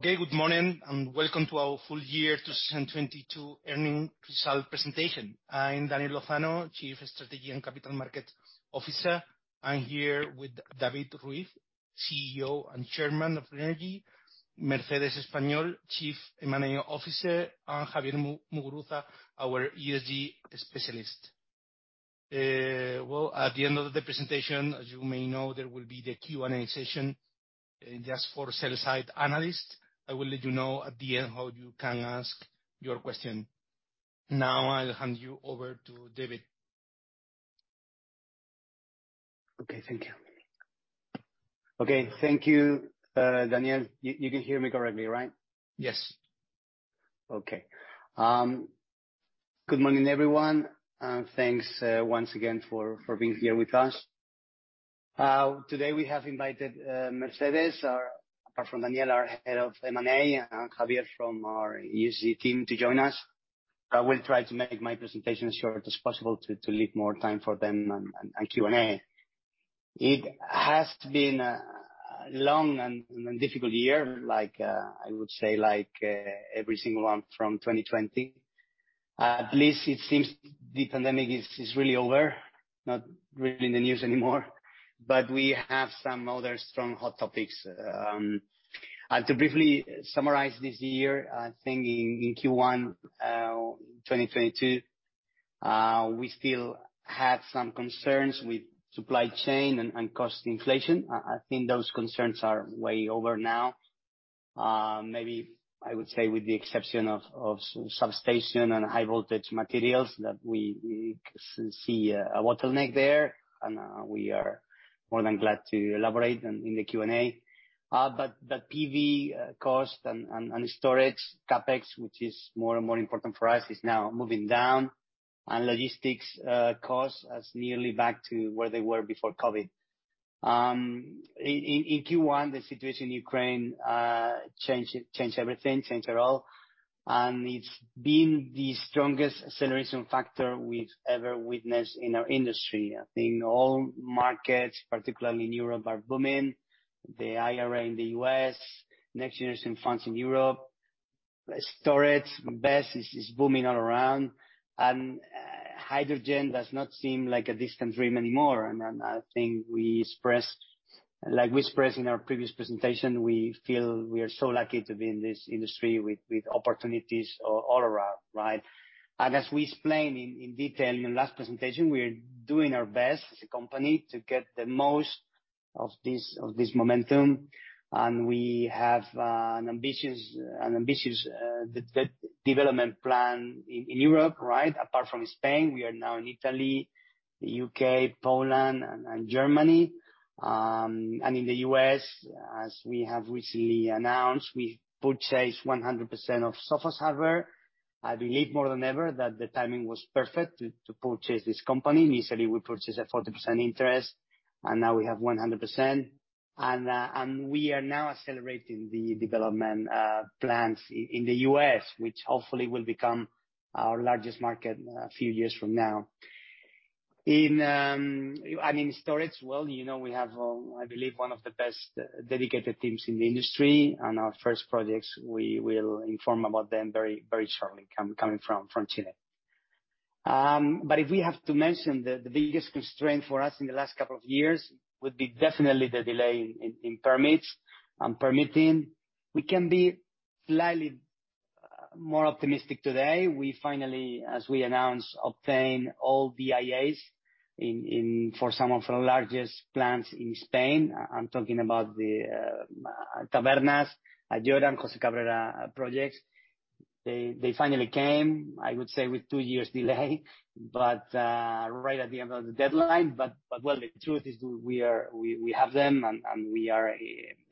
Good morning, welcome to our Full Year 2022 Earnings Result Presentation. I'm Daniel Lozano, Chief Strategy and Capital Markets Officer. I'm here with David Ruiz, CEO and Chairman of GRENERGY, Mercedes Español, Chief M&A Officer, and Javier Muguruza, our ESG specialist. Well, at the end of the presentation, as you may know, there will be the Q&A session, just for Sell-Side Analysts. I will let you know at the end how you can ask your question. Now, I'll hand you over to David. Okay, thank you. Okay, thank you, Daniel. You can hear me correctly, right? Yes. Okay. Good morning, everyone. Thanks once again for being here with us. Today, we have invited Mercedes, apart from Daniel, our Head of M&A, and Javier from our ESG team to join us. I will try to make my presentation as short as possible to leave more time for them and Q&A. It has been a long and difficult year, like I would say like every single one from 2020. At least it seems the pandemic is really over, not really in the news anymore. We have some other strong hot topics. To briefly summarize this year, I think in Q1 2022, we still had some concerns with supply chain and cost inflation. I think those concerns are way over now. Maybe I would say with the exception of substation and high voltage materials that we see a bottleneck there, we are more than glad to elaborate in the Q&A. The PV cost and storage CapEx, which is more and more important for us, is now moving down, and logistics costs is nearly back to where they were before COVID. In Q1, the situation in Ukraine changed everything, changed it all, and it's been the strongest acceleration factor we've ever witnessed in our industry. I think all markets, particularly in Europe, are booming. The IRA in the U.S., Next Generation funds in Europe. Storage BESS is booming all around. Hydrogen does not seem like a distant dream anymore. I think we expressed, like we expressed in our previous presentation, we feel we are so lucky to be in this industry with opportunities all around, right? As we explained in detail in last presentation, we are doing our best as a company to get the most of this momentum. We have an ambitious development plan in Europe, right? Apart from Spain, we are now in Italy, the U.K., Poland and Germany. In the U.S., as we have recently announced, we purchased 100% of Sofos Harbert. I believe more than ever that the timing was perfect to purchase this company. Initially, we purchased a 40% interest, and now we have 100%. We are now accelerating the development plans in the U.S., which hopefully will become our largest market a few years from now. In storage, well, you know, we have, I believe, one of the best dedicated teams in the industry. Our first projects, we will inform about them very, very shortly coming from Chile. If we have to mention the biggest constraint for us in the last couple of years would be definitely the delay in permits and permitting. We can be slightly more optimistic today. We finally, as we announced, obtained all the IAs in for some of our largest plants in Spain. I'm talking about the Tabernas, Ayora, and José Cabrera projects. They finally came, I would say, with two years delay but right at the end of the deadline. Well, the truth is we have them and we are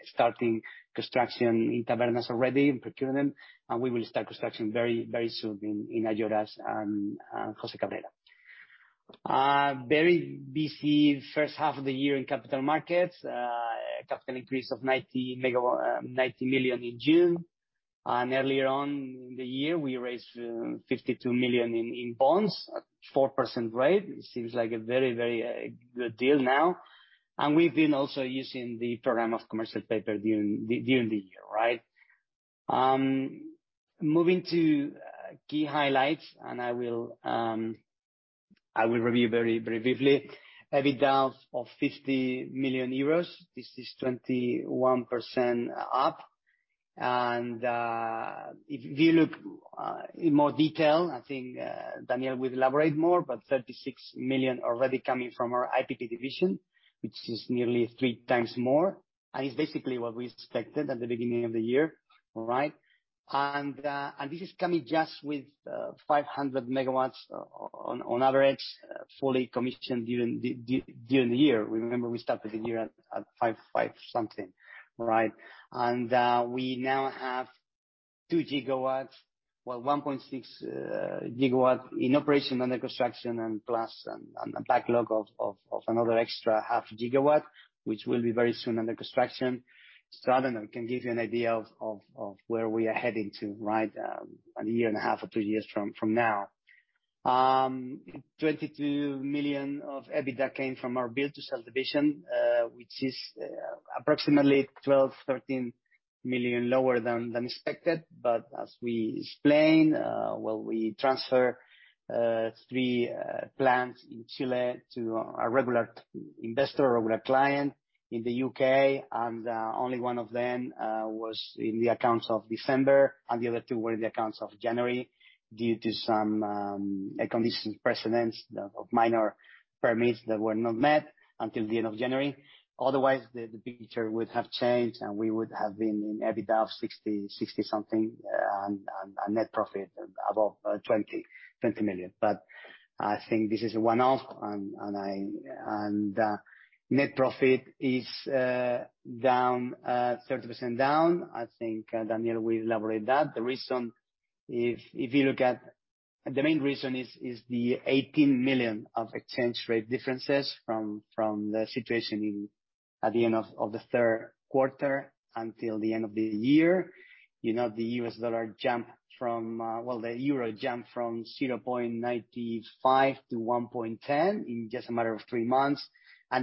starting construction in Tabernas already, and procurement, and we will start construction very, very soon in Ayora and José Cabrera. Very busy first half of the year in capital markets. Capital increase of 90 million in June. Earlier on in the year, we raised 52 million in bonds at 4% rate. It seems like a very, very good deal now. We've been also using the program of commercial paper during the year, right? Moving to key highlights, and I will review very briefly. EBITDA of 50 million euros. This is 21% up. If you look in more detail, I think Daniel will elaborate more, but 36 million already coming from our IPP division, which is nearly 3x more, and it's basically what we expected at the beginning of the year, all right. This is coming just with 500 MW on average fully commissioned during the year. Remember we started the year at five something, right. We now have 2 GW, well, 1.6 GW in operation, under construction and plus a backlog of another extra .5 GW, which will be very soon under construction. I don't know, it can give you an idea of where we are heading to, right. A year and a half or two years from now. 22 million of EBITDA came from our build to sell division, which is approximately 12 million-13 million lower than expected. As we explained, we transfer three plants in Chile to a regular investor or a client in the U.K.. Only one of them was in the accounts of December, and the other two were in the accounts of January due to some condition precedents of minor permits that were not met until the end of January. The picture would have changed, and we would have been in EBITDA of 60 million something, and net profit above 20 million something. I think this is a one-off, and net profit is down 30%. I think Daniel will elaborate that. The main reason is 18 million of exchange rate differences from the situation in, at the end of the third quarter until the end of the year. You know, the U.S. dollar jumped from 0.95-1.10 in just a matter of three months.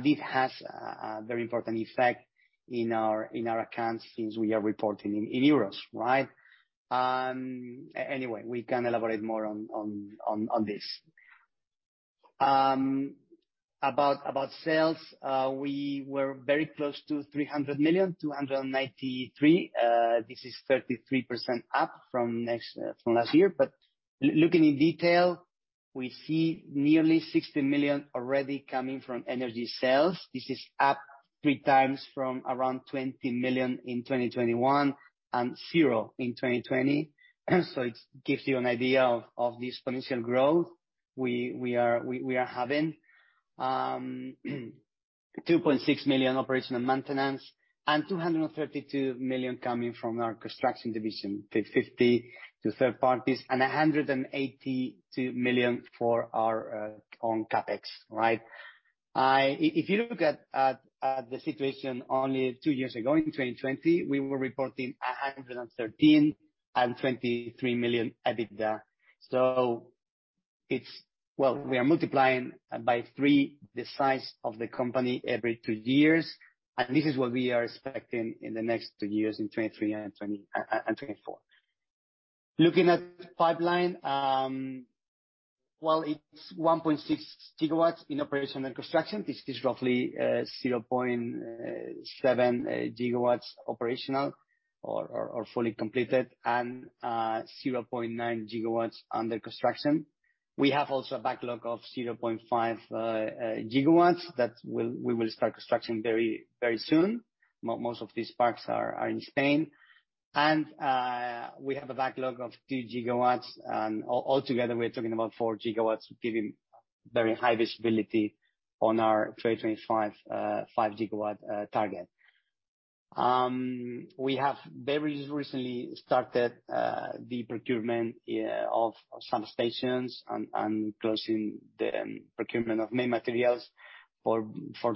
This has a very important effect in our accounts since we are reporting in euros, right? Anyway, we can elaborate more on this. About sales, we were very close to 300 million, 293 million. This is 33% up from last year. Looking in detail, we see nearly 60 million already coming from energy sales. This is up 3x from around 20 million in 2021 and zero in 2020. It gives you an idea of the exponential growth we are having. 2.6 million operational maintenance and 232 million coming from our construction division, 50 to third parties and 182 million for our own CapEx, right? If you look at the situation only two years ago, in 2020, we were reporting 113 and 23 million EBITDA. Well, we are multiplying by three the size of the company every two years, and this is what we are expecting in the next two years, in 2023 and 2024. Looking at pipeline, well, it's 1.6 GW in operation and construction. This is roughly 0.7 GW operational or fully completed and 0.9 GW under construction. We have also a backlog of 0.5 GW that we will start construction very soon. Most of these parks are in Spain. We have a backlog of 2 GW. Altogether, we're talking about 4 GW, giving very high visibility on our 2025, 5 GW target. We have very recently started the procurement, yeah, of some stations and closing the procurement of main materials for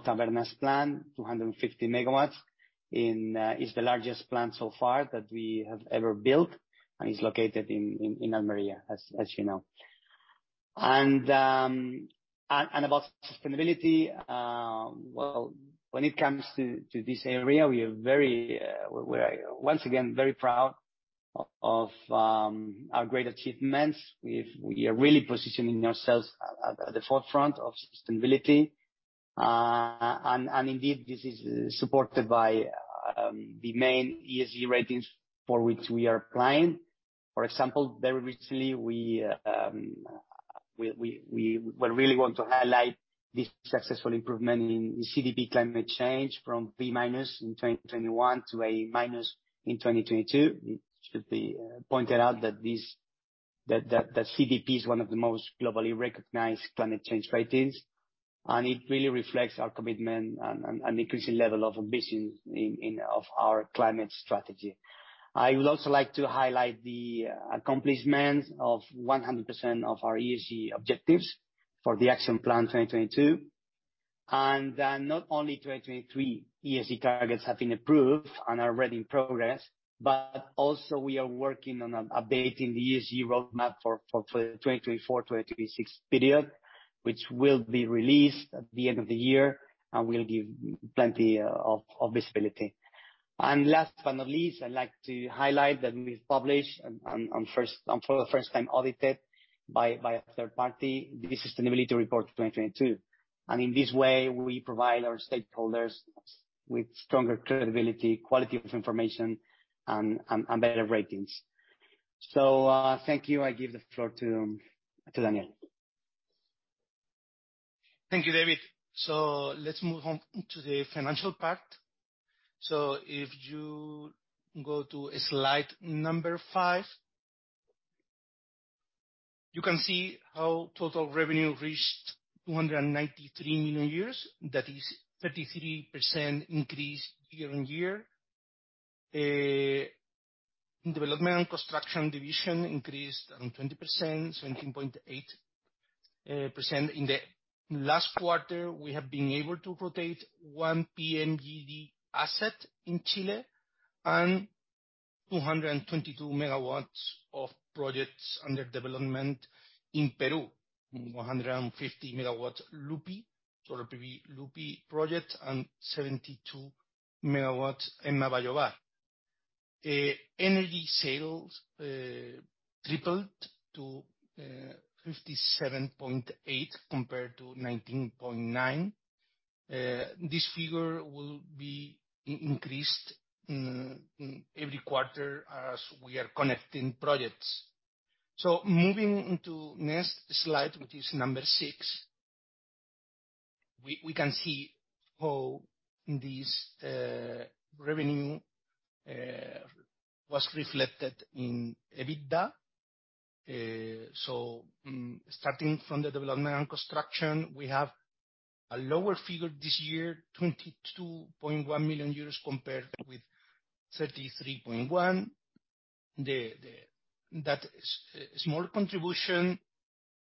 Tabernas plant, 250 MW. It's the largest plant so far that we have ever built, and it's located in Almería, as you know. Well, when it comes to this area, we are very, we are once again, very proud of our great achievements. We are really positioning ourselves at the forefront of sustainability. Indeed, this is supported by the main ESG ratings for which we are applying. For example, very recently, we really want to highlight this successful improvement in CDP climate change from B- in 2021 to A- in 2022. It should be pointed out that this CDP is one of the most globally recognized climate change ratings, and it really reflects our commitment and an increasing level of ambition of our climate strategy. I would also like to highlight the accomplishment of 100% of our ESG objectives for the action plan 2022. Not only 2023 ESG targets have been approved and are already in progress, but also we are working on updating the ESG roadmap for 2024-2026 period, which will be released at the end of the year and will give plenty of visibility. Last but not least, I'd like to highlight that we've published and for the first time audited by a third party the sustainability report 2022. In this way, we provide our stakeholders with stronger credibility, quality of information and better ratings. Thank you. I give the floor to Daniel. Thank you, David. Let's move on to the financial part. If you go to slide number five, you can see how total revenue reached 293 million euros. That is 33% increase year-on-year. Development and construction division increased around 20%, 17.8%. In the last quarter, we have been able to rotate one PMGD asset in Chile and 222 MW of projects under development in Peru. 150 MW Lupi, Solar PV Lupi project, and 72 MW in Navajovar. Energy sales tripled to 57.8 compared to 19.9. This figure will be increased in every quarter as we are connecting projects. Moving into next slide, which is number six, we can see how this revenue was reflected in EBITDA. Starting from the development and construction, we have a lower figure this year, 22.1 million euros compared with 33.1 million. That small contribution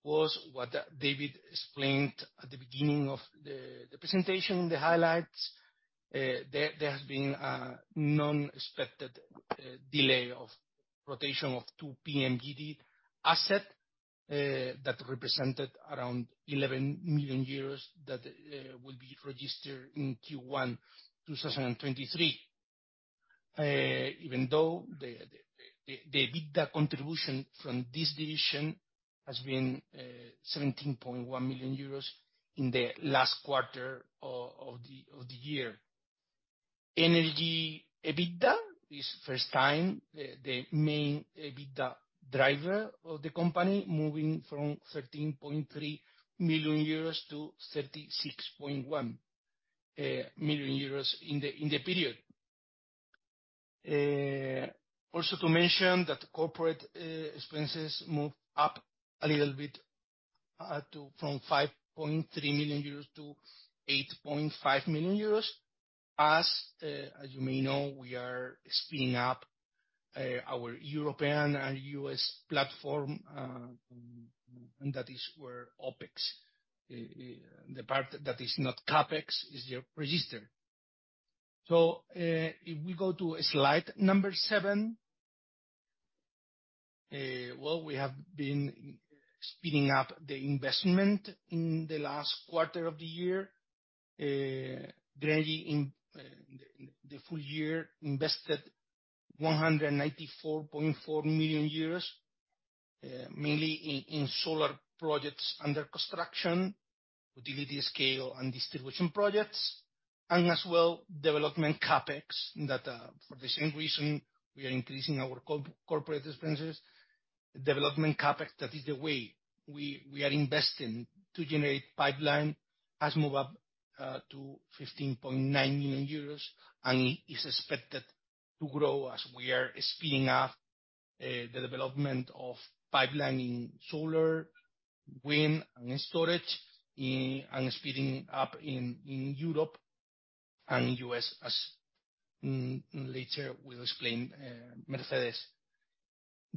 was what David explained at the beginning of the presentation, the highlights. There has been a non-expected delay of rotation of two PMGD asset that represented around 11 million euros that will be registered in Q1 2023. Even though the EBITDA contribution from this division has been 17.1 million euros in the last quarter of the year. Energy EBITDA is first time the main EBITDA driver of the company, moving from 13.3 million euros to 36.1 million euros in the period. Also to mention that corporate expenses moved up a little bit, from 5.3 million-8.5 million euros. As you may know, we are speeding up our European and U.S. platform, and that is where OpEx the part that is not CapEx is registered. If we go to slide number seven, we have been speeding up the investment in the last quarter of the year. GRENERGY in the full year invested 194.4 million euros, mainly in solar projects under construction, utility scale and distribution projects, and as well, development CapEx that for the same reason we are increasing our corporate expenses. Development CapEx, that is the way we are investing to generate pipeline, has moved up to 15.9 million euros and is expected to grow as we are speeding up the development of pipeline in solar, wind, and storage, and speeding up in Europe and U.S. as later we'll explain Mercedes.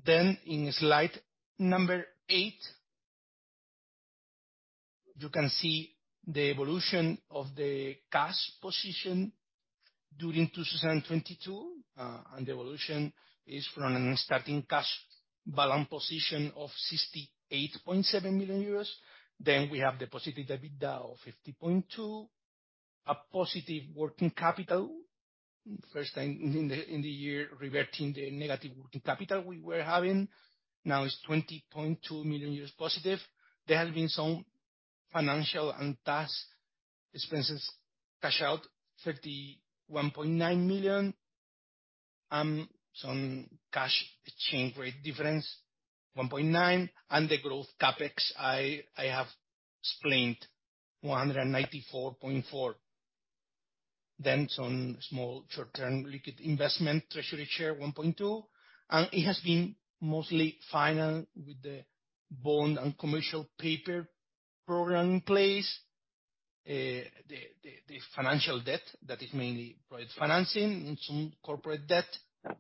In slide number eight, you can see the evolution of the cash position during 2022. The evolution is from a starting cash balance position of 68.7 million euros. We have the positive EBITDA of 50.2 million, a positive working capital. First time in the year, reverting the negative working capital we were having, now is 20.2 million positive. There has been some financial and tax expenses, cash out, 31.9 million. Some cash exchange rate difference, 1.9, the growth CapEx I have explained, 194.4. Some small short-term liquid investment, treasury share, 1.2. It has been mostly financed with the bond and commercial paper program in place. The financial debt, that is mainly project financing and some corporate debt,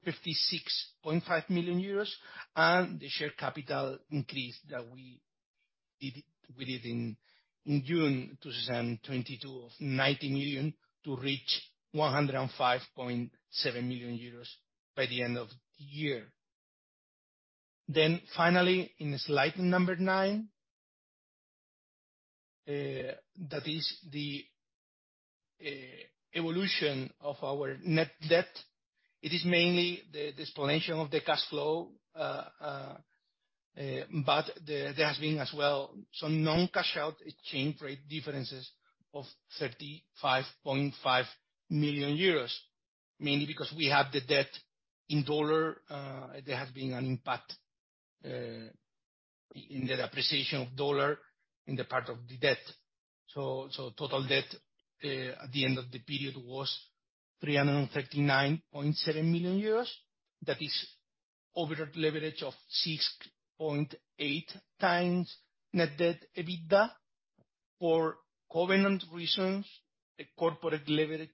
56.5 million euros, and the share capital increase that we did in June 2022 of 90 million to reach 105.7 million euros by the end of the year. Finally, in slide nine, that is the evolution of our net debt. It is mainly the explanation of the cash flow. There has been as well some non-cash out exchange rate differences of 35.5 million euros, mainly because we have the debt in dollar. There has been an impact in the appreciation of USD in the part of the debt. Total debt at the end of the period was 339.7 million euros. That is overall leverage of 6.8 times net debt EBITDA. For covenant reasons, the corporate leverage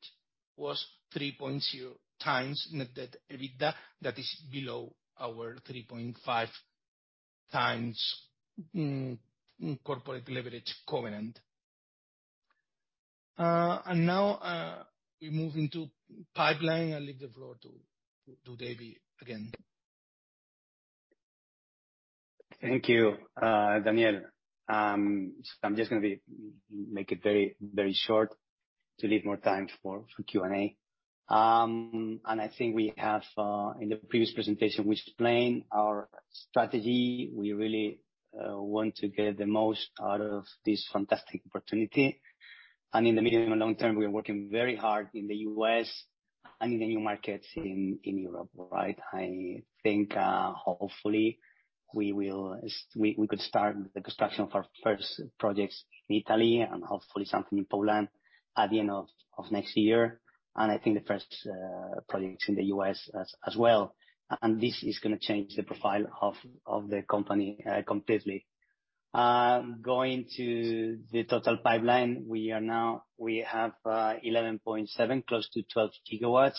was 3.0x net debt EBITDA. That is below our 3.5x corporate leverage covenant. Now, we move into pipeline. I leave the floor to David again. Thank you, Daniel. I'm just gonna make it very, very short to leave more time for Q&A. I think we have in the previous presentation, we explained our strategy. We really want to get the most out of this fantastic opportunity. In the medium and long term, we are working very hard in the U.S. and in the new markets in Europe, right? I think hopefully we could start the construction of our first projects in Italy and hopefully something in Poland at the end of next year. I think the first projects in the U.S. as well. This is gonna change the profile of the company completely. Going to the total pipeline, we have 11.7 GW, close to 12 GW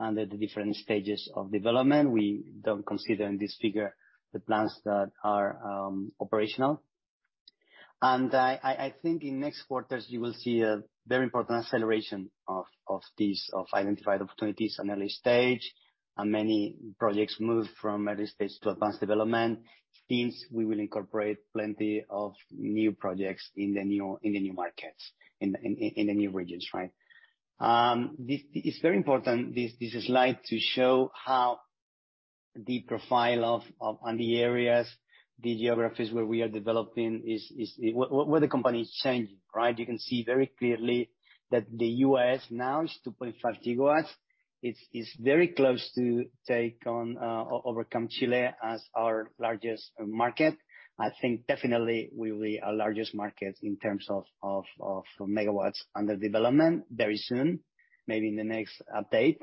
under the different stages of development. We don't consider in this figure the plants that are operational. I think in next quarters you will see a very important acceleration of these identified opportunities on early stage, and many projects move from early stage to advanced development. Since we will incorporate plenty of new projects in the new markets, in the new regions, right? This is very important, this slide, to show how the profile of... and the areas, the geographies where we are developing is... where the company is changing, right? You can see very clearly that the U.S. now is 2.5 GW. It's very close to take on, overcome Chile as our largest market. I think definitely will be our largest market in terms of megawatts under development very soon, maybe in the next update,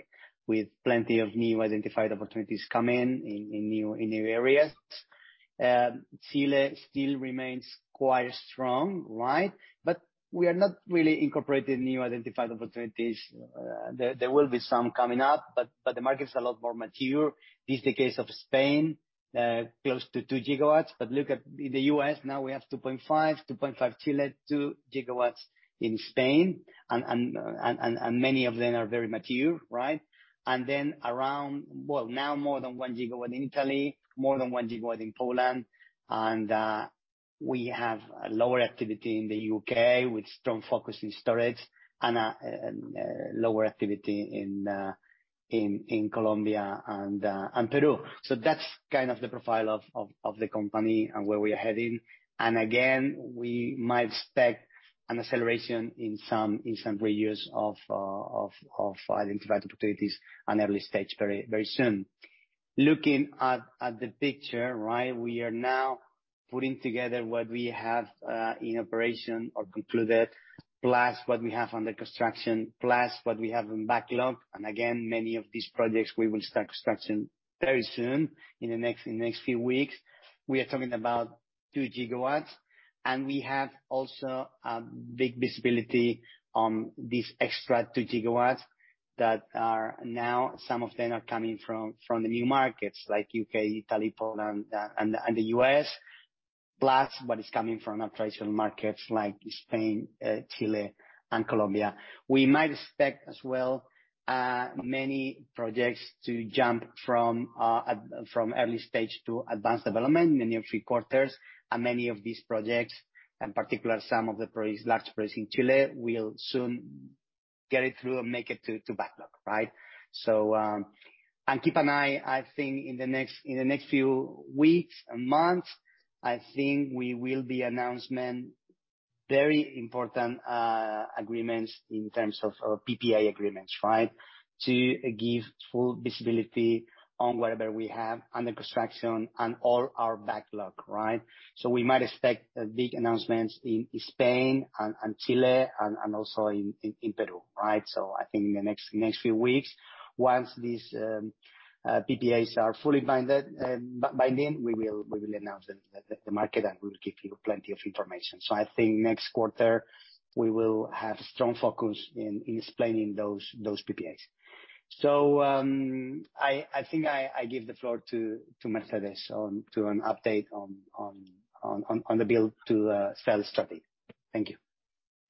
with plenty of new identified opportunities coming in new areas. Chile still remains quite strong, right? But we are not really incorporating new identified opportunities. There will be some coming up, but the market's a lot more mature. This is the case of Spain, close to 2 GW. But look at the U.S., now we have 2.5 GW. 2.5 GW Chile, 2 GW in Spain, and many of them are very mature, right? Then around... Well, now more than 1 GW in Italy, more than 1 GW in Poland, we have lower activity in the U.K. with strong focus in storage lower activity in Colombia and Peru. That's kind of the profile of the company and where we are heading. Again, we might expect an acceleration in some regions of identified opportunities and early stage very soon. Looking at the picture, right? We are now putting together what we have, in operation or concluded, plus what we have under construction, plus what we have in backlog. Again, many of these projects we will start construction very soon, in the next few weeks. We are talking about 2 GW. We have also a big visibility on these extra 2 GW that are now, some of them are coming from the new markets like U.K., Italy, Poland, and the U.S., plus what is coming from operational markets like Spain, Chile, and Colombia. We might expect as well many projects to jump from early stage to advanced development in the next few quarters, and many of these projects, in particular some of the projects, large projects in Chile, will soon get it through and make it to backlog, right. Keep an eye, I think in the next few weeks and months, I think we will be announcement very important agreements in terms of PPA agreements, right. To give full visibility on whatever we have under construction and all our backlog, right. We might expect big announcements in Spain and Chile and also in Peru, right? I think in the next few weeks, once these PPAs are fully binded by then, we will announce them to the market, and we will give you plenty of information. I think next quarter we will have strong focus in explaining those PPAs. I think I give the floor to Mercedes to an update on the build to sell strategy. Thank you.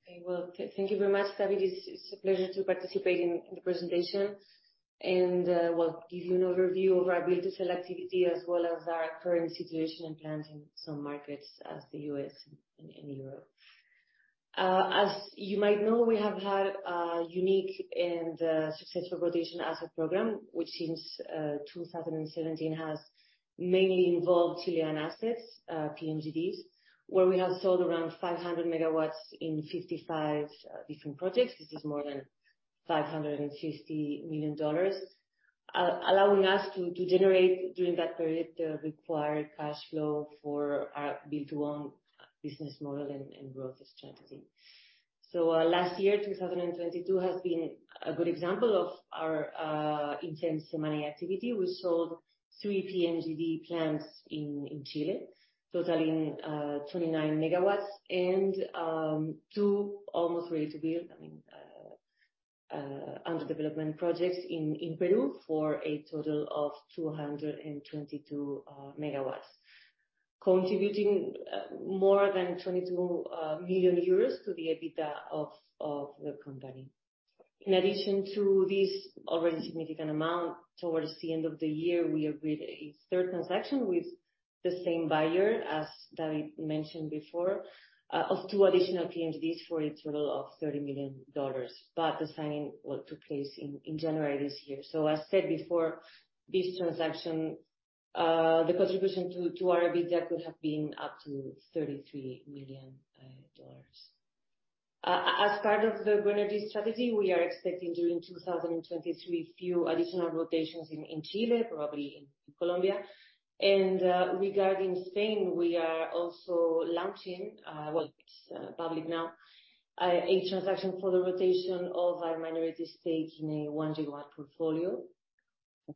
Okay. Well, thank you very much, David. It's a pleasure to participate in the presentation. We'll give you an overview of our build to sell activity as well as our current situation and plans in some markets as the U.S. and in Europe. As you might know, we have had a unique and successful rotation asset program, which since 2017 has mainly involved Chilean assets, PMGDs, where we have sold around 500 MW in 55 different projects. This is more than $560 million, allowing us to generate, during that period, the required cash flow for our build-to-own business model and growth strategy. Last year, 2022, has been a good example of our intense M&A activity. We sold three PMGD plants in Chile, totaling 29 MW, and two almost ready-to-build, under development projects in Peru for a total of 222 MW, contributing more than 22 million euros to the EBITDA of the company. In addition to this already significant amount, towards the end of the year, we agreed a third transaction with the same buyer, as David mentioned before, of two additional PMGs for a total of $30 million, but the signing, well, took place in January this year. As said before, this transaction, the contribution to our EBITDA could have been up to $33 million. As part of the GRENERGY strategy, we are expecting during 2023 few additional rotations in Chile, probably in Colombia. Regarding Spain, we are also launching, well, it's public now, a transaction for the rotation of our minority stake in a 1 GW portfolio,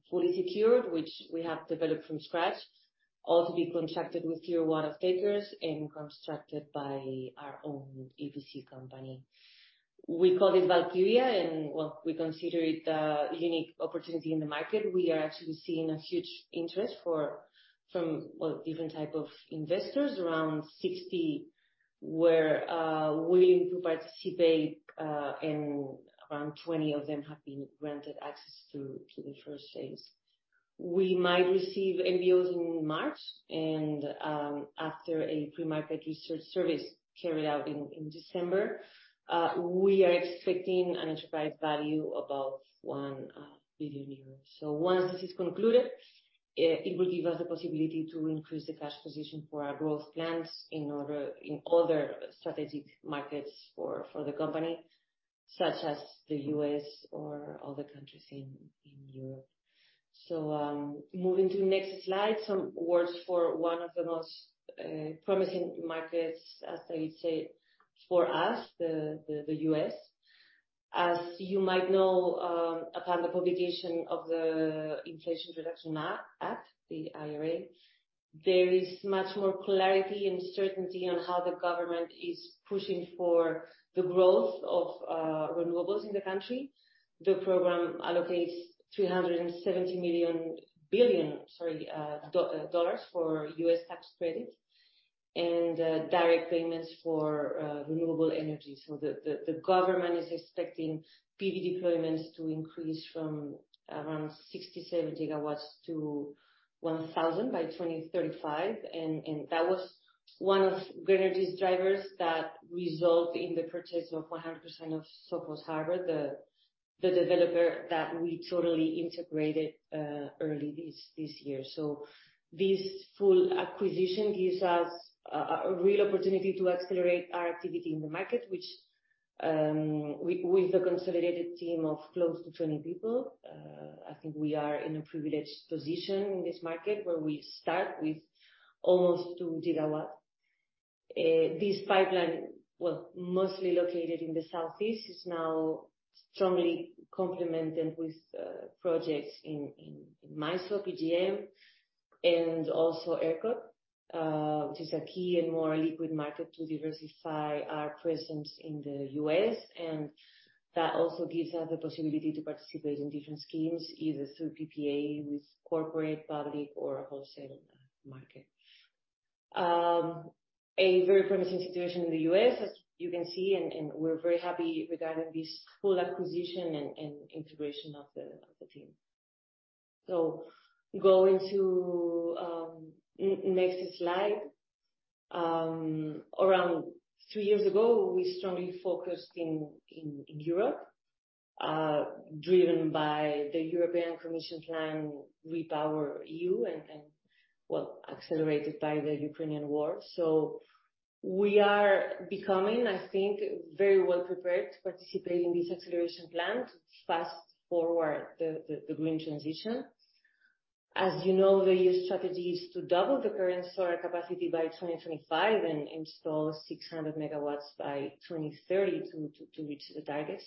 fully secured, which we have developed from scratch, all to be contracted with tier one off-takers and constructed by our own EPC company. We call it Valkyria, and, well, we consider it a unique opportunity in the market. We are actually seeing a huge interest for, from, well, different type of investors. Around 60 were willing to participate, and around 20 of them have been granted access to the first phase. We might receive NBOs in March, and after a pre-market research service carried out in December, we are expecting an enterprise value above 1 billion euros. Once this is concluded, it will give us the possibility to increase the cash position for our growth plans in other strategic markets for the company, such as the U.S. or other countries in Europe. Moving to the next slide, some words for one of the most promising markets, as I said, for us, the U.S.. As you might know, upon the publication of the Inflation Reduction Act, the IRA, there is much more clarity and certainty on how the government is pushing for the growth of renewables in the country. The program allocates $370 billion for U.S. tax credits and direct payments for renewable energy. The government is expecting PV deployments to increase from around 60 GW, 70 GW-1,000 GW by 2035, and that was one of GRENERGY's drivers that result in the purchase of 100% of Sofos Harbert, the developer that we totally integrated early this year. This full acquisition gives us a real opportunity to accelerate our activity in the market, which with the consolidated team of close to 20 people, I think we are in a privileged position in this market where we start with almost 2 GW. This pipeline, well, mostly located in the southeast, is now strongly complemented with projects in MISO, PJM, and also ERCOT, which is a key and more liquid market to diversify our presence in the U.S.. That also gives us the possibility to participate in different schemes, either through PPA with corporate, public, or wholesale market. A very promising situation in the U.S., as you can see, and we're very happy regarding this full acquisition and integration of the team. Going to next slide. Around three years ago, we strongly focused in Europe, driven by the European Commission plan, REPowerEU, and, well, accelerated by the Ukrainian war. We are becoming, I think, very well prepared to participate in this acceleration plan to fast-forward the green transition. As you know, the EU strategy is to double the current solar capacity by 2025 and install 600 MW by 2030 to reach the target.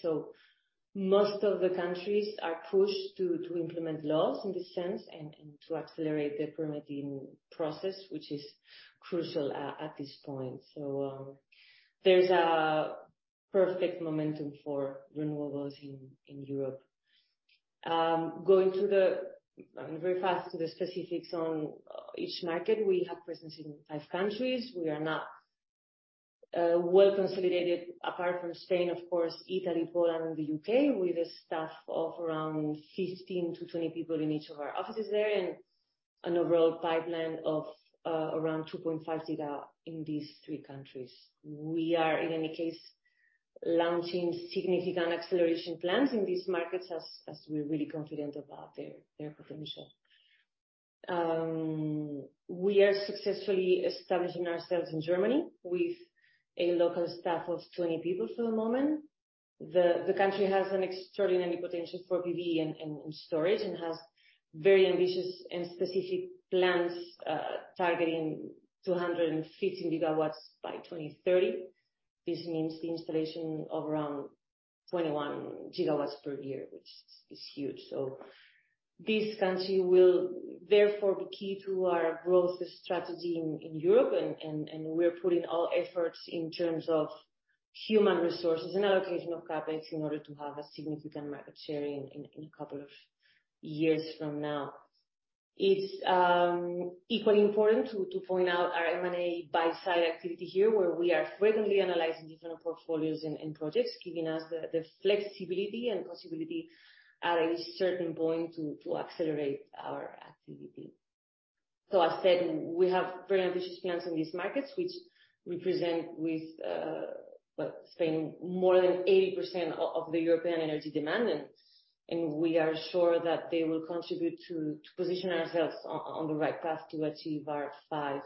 Most of the countries are pushed to implement laws in this sense and to accelerate the permitting process, which is crucial at this point. There's a perfect momentum for renewables in Europe. Going to the very fast to the specifics on each market. We have presence in five countries. We are now well consolidated, apart from Spain, of course, Italy, Poland, and the U.K., with a staff of around 15-20 people in each of our offices there and an overall pipeline of around 2.5 GW in these three countries. We are, in any case, launching significant acceleration plans in these markets as we're really confident about their potential. We are successfully establishing ourselves in Germany with a local staff of 20 people for the moment. The country has an extraordinary potential for PV and storage, and has very ambitious and specific plans targeting 215 GW by 2030. This means the installation of around 21 GW per year, which is huge. This country will therefore be key to our growth strategy in Europe, and we are putting all efforts in terms of human resources and allocation of CapEx in order to have a significant market share in a couple of years from now. It's equally important to point out our M&A buy-side activity here, where we are frequently analyzing different portfolios and projects, giving us the flexibility and possibility at a certain point to accelerate our activity. As said, we have very ambitious plans in these markets, which represent with what, Spain more than 80% of the European energy demand. We are sure that they will contribute to position ourselves on the right path to achieve our 5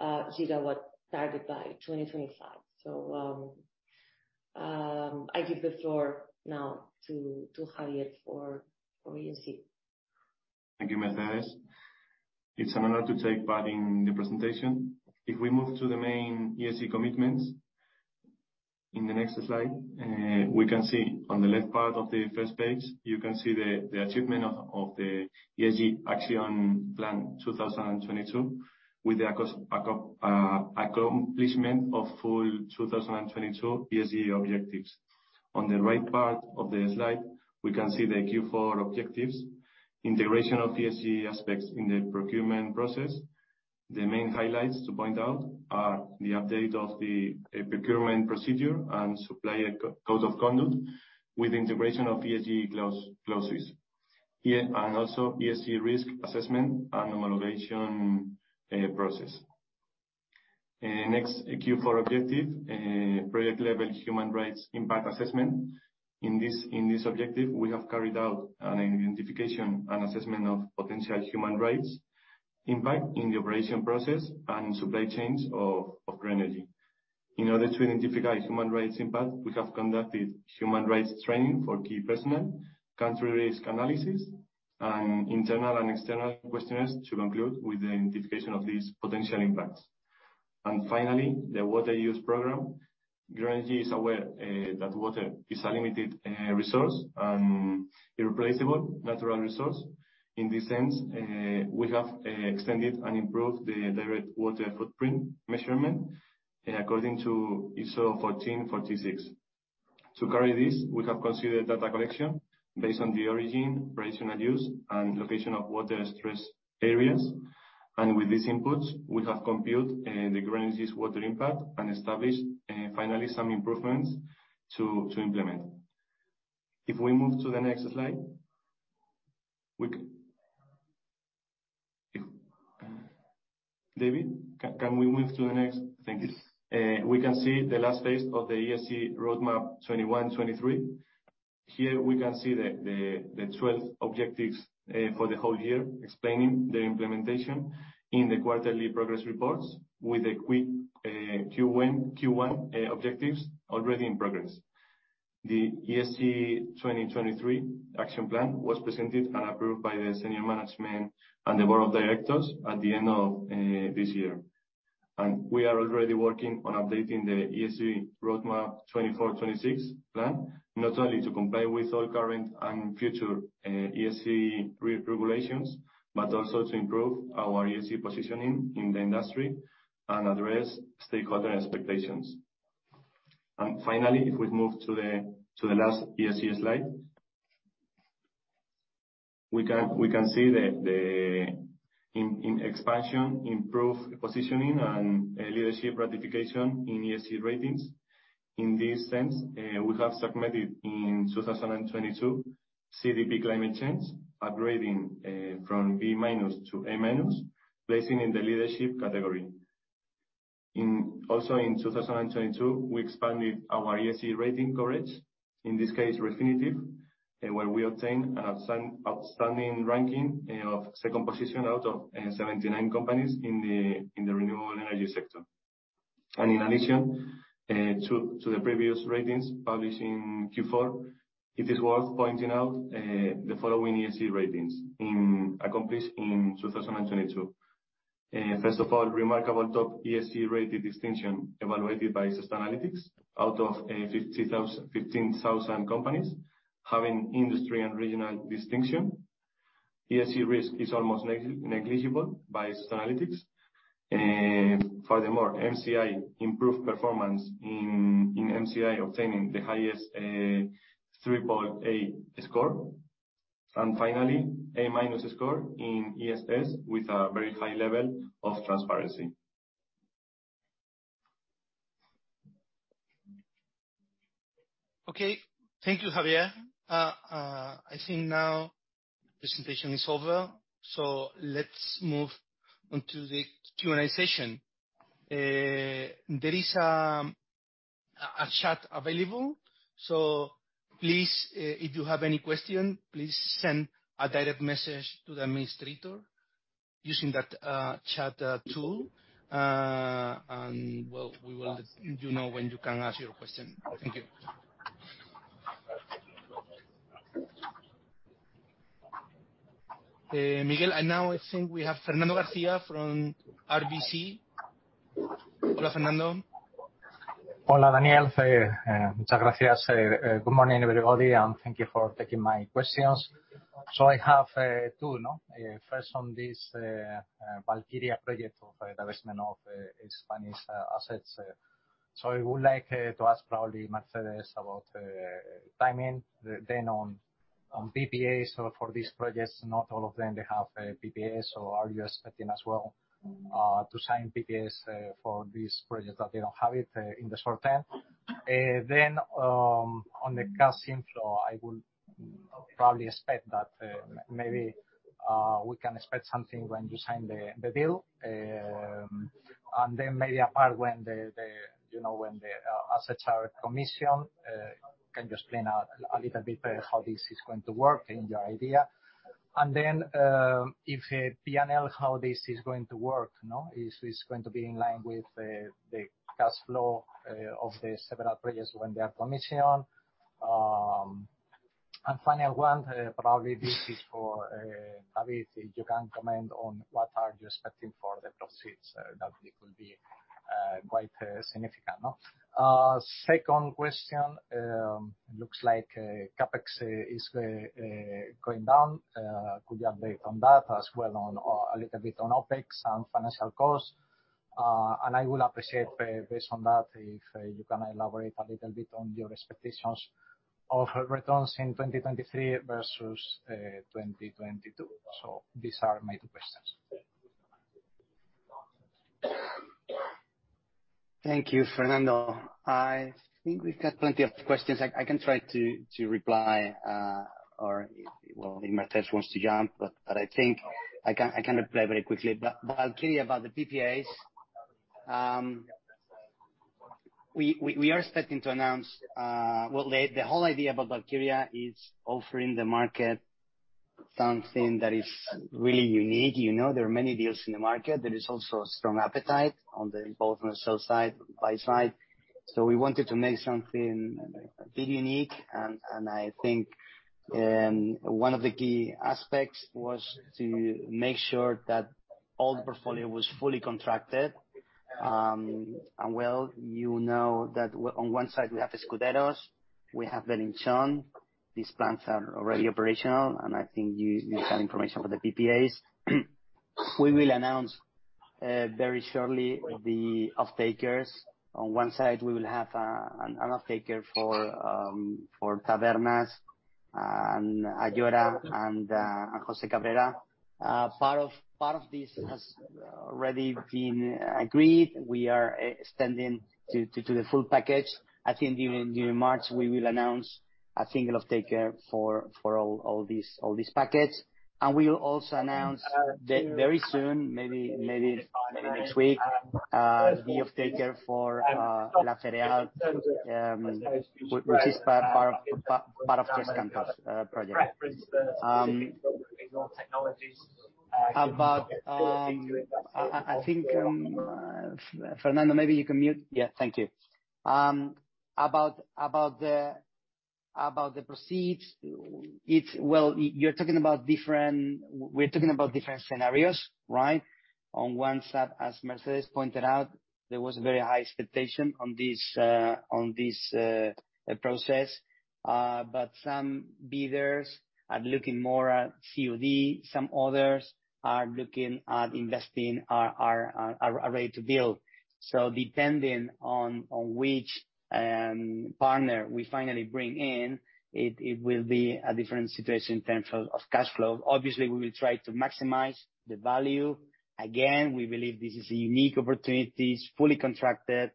GW target by 2025. I give the floor now to Javier for ESG. Thank you, Mercedes. It's an honor to take part in the presentation. If we move to the main ESG commitments in the next slide, we can see on the left part of the first page, you can see the achievement of the ESG Action Plan 2022 with the accomplishment of full 2022 ESG objectives. On the right part of the slide, we can see the Q4 objectives, integration of ESG aspects in the procurement process. The main highlights to point out are the update of the procurement procedure and supplier code of conduct with integration of ESG clauses. Here, and also ESG risk assessment and normalization process. Next Q4 objective, project-level human rights impact assessment. In this objective, we have carried out an identification and assessment of potential human rights impact in the operation process and supply chains of GRENERGY. In order to identify human rights impact, we have conducted human rights training for key personnel, country risk analysis, and internal and external questionnaires to conclude with the identification of these potential impacts. Finally, the water use program. GRENERGY is aware that water is a limited resource and irreplaceable natural resource. In this sense, we have extended and improved the direct water footprint measurement according to ISO 14046. To carry this, we have considered data collection based on the origin, regional use, and location of water stress areas, and with these inputs, we have computed the GRENERGY's water impact and established finally some improvements to implement. If we move to the next slide, If David, can we move to the next? Thank you. We can see the last phase of the ESG roadmap 2021-2023. Here we can see the 12 objectives for the whole year, explaining the implementation in the quarterly progress reports with a quick Q1 objectives already in progress. The ESG 2023 action plan was presented and approved by the senior management and the board of directors at the end of this year. We are already working on updating the ESG roadmap 2024-2026 plan, not only to comply with all current and future ESG regulations, but also to improve our ESG positioning in the industry and address stakeholder expectations. Finally, if we move to the last ESG slide, we can see. In expansion, improved positioning and leadership ratification in ESG ratings. In this sense, we have submitted in 2022 CDP climate change, upgrading from B- to A-, placing in the leadership category. Also in 2022, we expanded our ESG rating coverage, in this case Refinitiv, where we obtained an outstanding ranking of 2nd position out of 79 companies in the renewable energy sector. In addition, to the previous ratings published in Q4, it is worth pointing out the following ESG ratings accomplished in 2022. First of all, remarkable top ESG rating distinction evaluated by Sustainalytics, out of 15,000 companies, having industry and regional distinction. ESG risk is almost negligible by Sustainalytics. Furthermore, MSCI improved performance in MSCI, obtaining the highest, 3.8 score. Finally, A- score in ESG with a very high level of transparency. Okay. Thank you, Javier. I think now presentation is over, so let's move on to the Q&A session. There is a chat available, so please, if you have any question, please send a direct message to the administrator using that chat tool. Well, we will let you know when you can ask your question. Thank you. Miguel, now I think we have Fernando Garcia from RBC. Hola, Fernando. Hola, Daniel. Thank you for taking my questions. So I have two, no? First on this Valkyria project for the investment of Spanish assets. So I would like to ask probably Mercedes about the timing then on PPAs for these projects, not all of them have PPAs, so are you setting as well to sign PPAs for these projects that you don't have it in the short term? And then on the cash inflow, I would probably expect that maybe we can expect something when you sign the deal, and then maybe a part when the, you know, when the asset tariff commission, can you explain a little bit how this is going to work, your idea? And then if you can tell us how this is going to work, is it going to be in line with the cash flow of the several projects when they are commissioned? And finally, one probably question for maybe you can comment on what are the expected for the proceeds that will be quite significant, no? Second question, looks like CapEx is going down. Could you update on that, as well on a little bit on OpEx and financial costs? And I would appreciate based on that if you can elaborate a little bit on your expectations of earnings in 2023 versus 2022. So these are my questions. Thank you Fernando. I think we've got plenty of questions. I can try to reply, or well, if Mercedes wants to jump, but I think I can reply very quickly. Clearly about the PPAs, we are starting to announce. Well, the whole idea about Valkyria is offering the market something that is really unique. You know, there are many deals in the market. There is also a strong appetite on the both on the sell side and buy side. We wanted to make something big and unique, and I think one of the key aspects was to make sure that all the portfolio was fully contracted. Well, you know that on one side we have Escuderos, we have Belinchón. These plants are already operational, and I think you have information about the PPAs. We will announce very shortly the off-takers. On one side, we will have an off-taker for Tabernas and Ayora and Jose Cabrera. Part of this has already been agreed. We are extending to the full package. I think during March, we will announce a single off-taker for all these packets. We'll also announce very soon, maybe next week, the off-taker for La Ferial, which is part of Trascantas project. About, I think, Fernando, maybe you can mute. Yeah, thank you. About the proceeds, it's... Well, you're talking about different... We're talking about different scenarios, right? On one side, as Mercedes Español pointed out, there was a very high expectation on this on this process. Some bidders are looking more at COD, some others are looking at investing are ready to build. Depending on which partner we finally bring in, it will be a different situation in terms of cash flow. Obviously, we will try to maximize the value. Again, we believe this is a unique opportunity. It's fully contracted.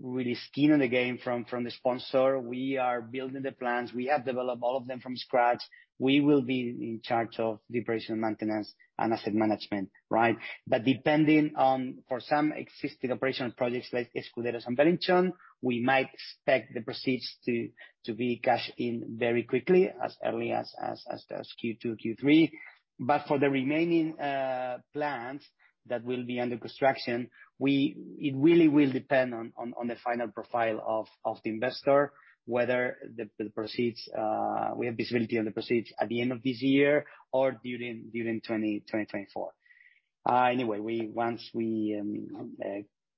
Really skin in the game from the sponsor. We are building the plants. We have developed all of them from scratch. We will be in charge of the operation, maintenance, and asset management, right? Depending on, for some existing operational projects like Escuderos and Belinchón, we might expect the proceeds to be cashed in very quickly, as early as Q2, Q3. For the remaining plants that will be under construction, It really will depend on the final profile of the investor, whether the proceeds we have visibility on the proceeds at the end of this year or during 2024. Anyway, Once we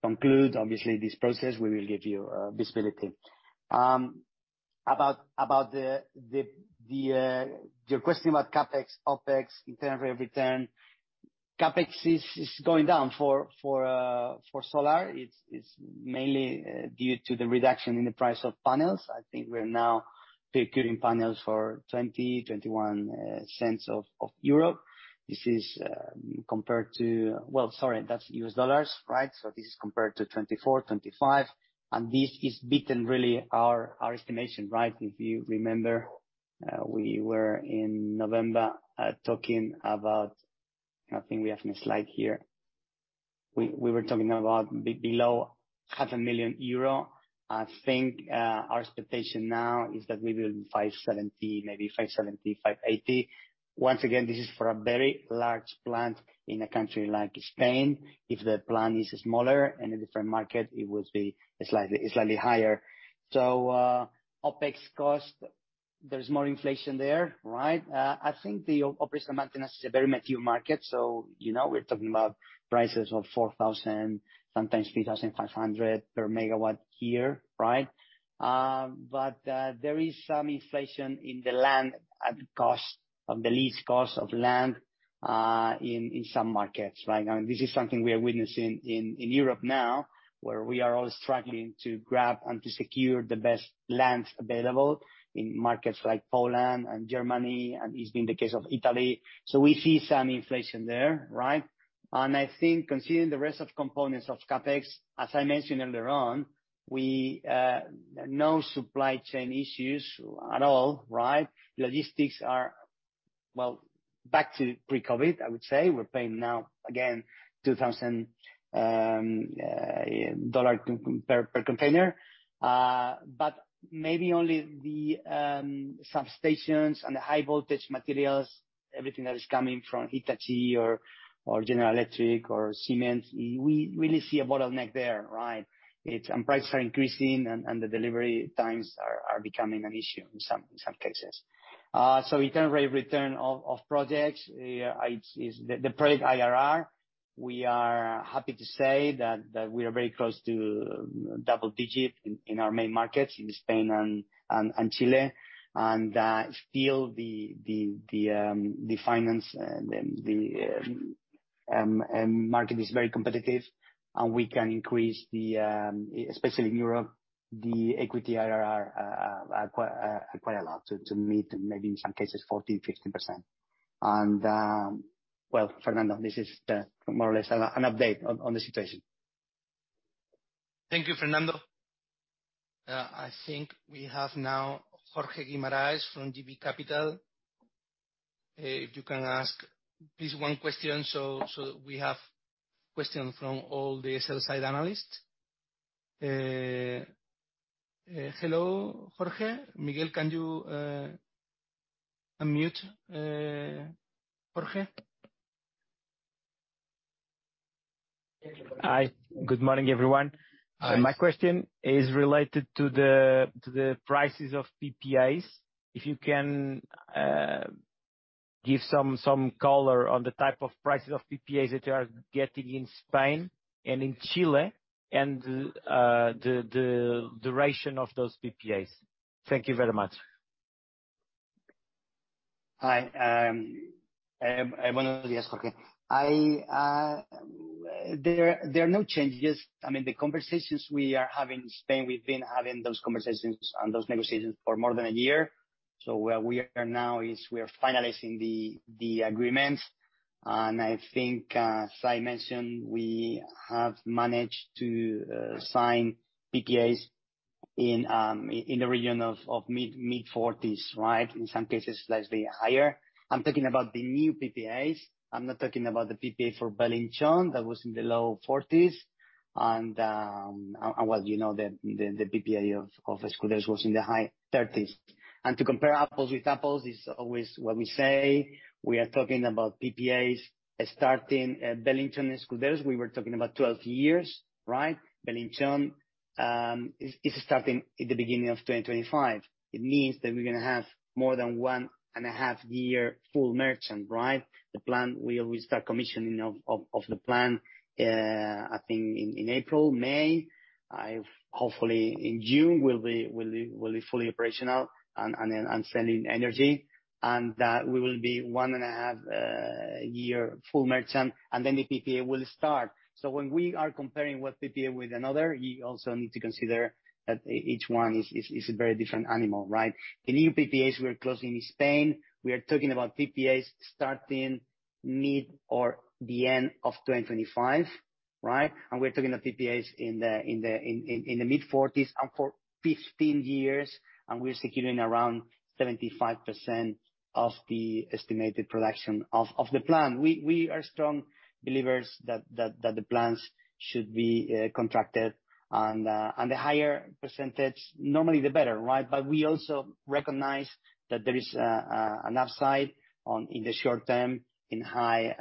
conclude, obviously, this process, we will give you visibility. About your question about CapEx, OpEx, internal rate of return. CapEx is going down for solar. It's mainly due to the reduction in the price of panels. I think we're now procuring panels for $0.20-$0.21. Well, sorry, that's US dollars, right? This is compared to $0.24-$0.25. This has beaten really our estimation, right? If you remember, we were in November talking about... I think we have a slide here. We were talking about below half a million EUR. I think our expectation now is that we will be 570 million, maybe 570 million-580 million. Once again, this is for a very large plant in a country like Spain. If the plant is smaller in a different market, it would be slightly higher. OpEx cost- there's more inflation there, right? I think the operations and maintenance is a very mature market, so, you know, we're talking about prices of $4,000, sometimes $3,500 per megawatt here, right? There is some inflation in the land at cost, of the lease cost of land, in some markets, right? Now, this is something we are witnessing in Europe now, where we are all struggling to grab and to secure the best lands available in markets like Poland and Germany, and it's been the case of Italy. We see some inflation there, right? I think considering the rest of components of CapEx, as I mentioned earlier on, we no supply chain issues at all, right? Logistics are, well, back to pre-COVID, I would say. We're paying now again, $2,000 per container. But maybe only the substations and the high voltage materials, everything that is coming from Hitachi or General Electric or Siemens, we really see a bottleneck there, right. Prices are increasing and the delivery times are becoming an issue in some cases. Internal rate of return of projects is the project IRR. We are happy to say that we are very close to double digit in our main markets in Spain and Chile. Still the finance and the market is very competitive, and we can increase the especially in Europe, the equity IRR quite a lot to meet maybe in some cases 14%-15%. Well, Fernando, this is, more or less an update on the situation. Thank you, Fernando. I think we have now Jorge Guimarães from JB Capital. If you can ask please 1 question so that we have question from all the sell side analysts. Hello, Jorge. Miguel, can you unmute Jorge? Hi. Good morning, everyone. Hi. My question is related to the prices of PPAs. If you can give some color on the type of prices of PPAs that you are getting in Spain and in Chile and the duration of those PPAs. Thank you very much. Hi, [inaudible] Jorge. I, there are no changes. I mean, the conversations we are having in Spain, we've been having those conversations and those negotiations for more than a year. Where we are now is we are finalizing the agreements. I think, as I mentioned, we have managed to sign PPAs in the region of mid-40s, right? In some cases, slightly higher. I'm talking about the new PPAs. I'm not talking about the PPA for Belinchón. That was in the low 40s. Well, you know, the PPA of Escuderos was in the high 30s. To compare apples with apples is always what we say. We are talking about PPAs starting at Belinchón, Escuderos, we were talking about 12 years, right? Belinchón is starting in the beginning of 2025. It means that we're gonna have more than one and a half year full merchant, right? The plant, we start commissioning of the plant, I think in April/May. Hopefully in June we'll be fully operational and then sending energy, and we will be one and a half year full merchant, and then the PPA will start. When we are comparing one PPA with another, you also need to consider that each one is a very different animal, right? The new PPAs we are closing in Spain, we are talking about PPAs starting mid or the end of 2025, right? We're talking of PPAs in the EUR mid-40s and for 15 years, and we're securing around 75% of the estimated production of the plant. We are strong believers that the plants should be contracted and the higher percentage, normally the better, right? We also recognize that there is an upside on, in the short term in high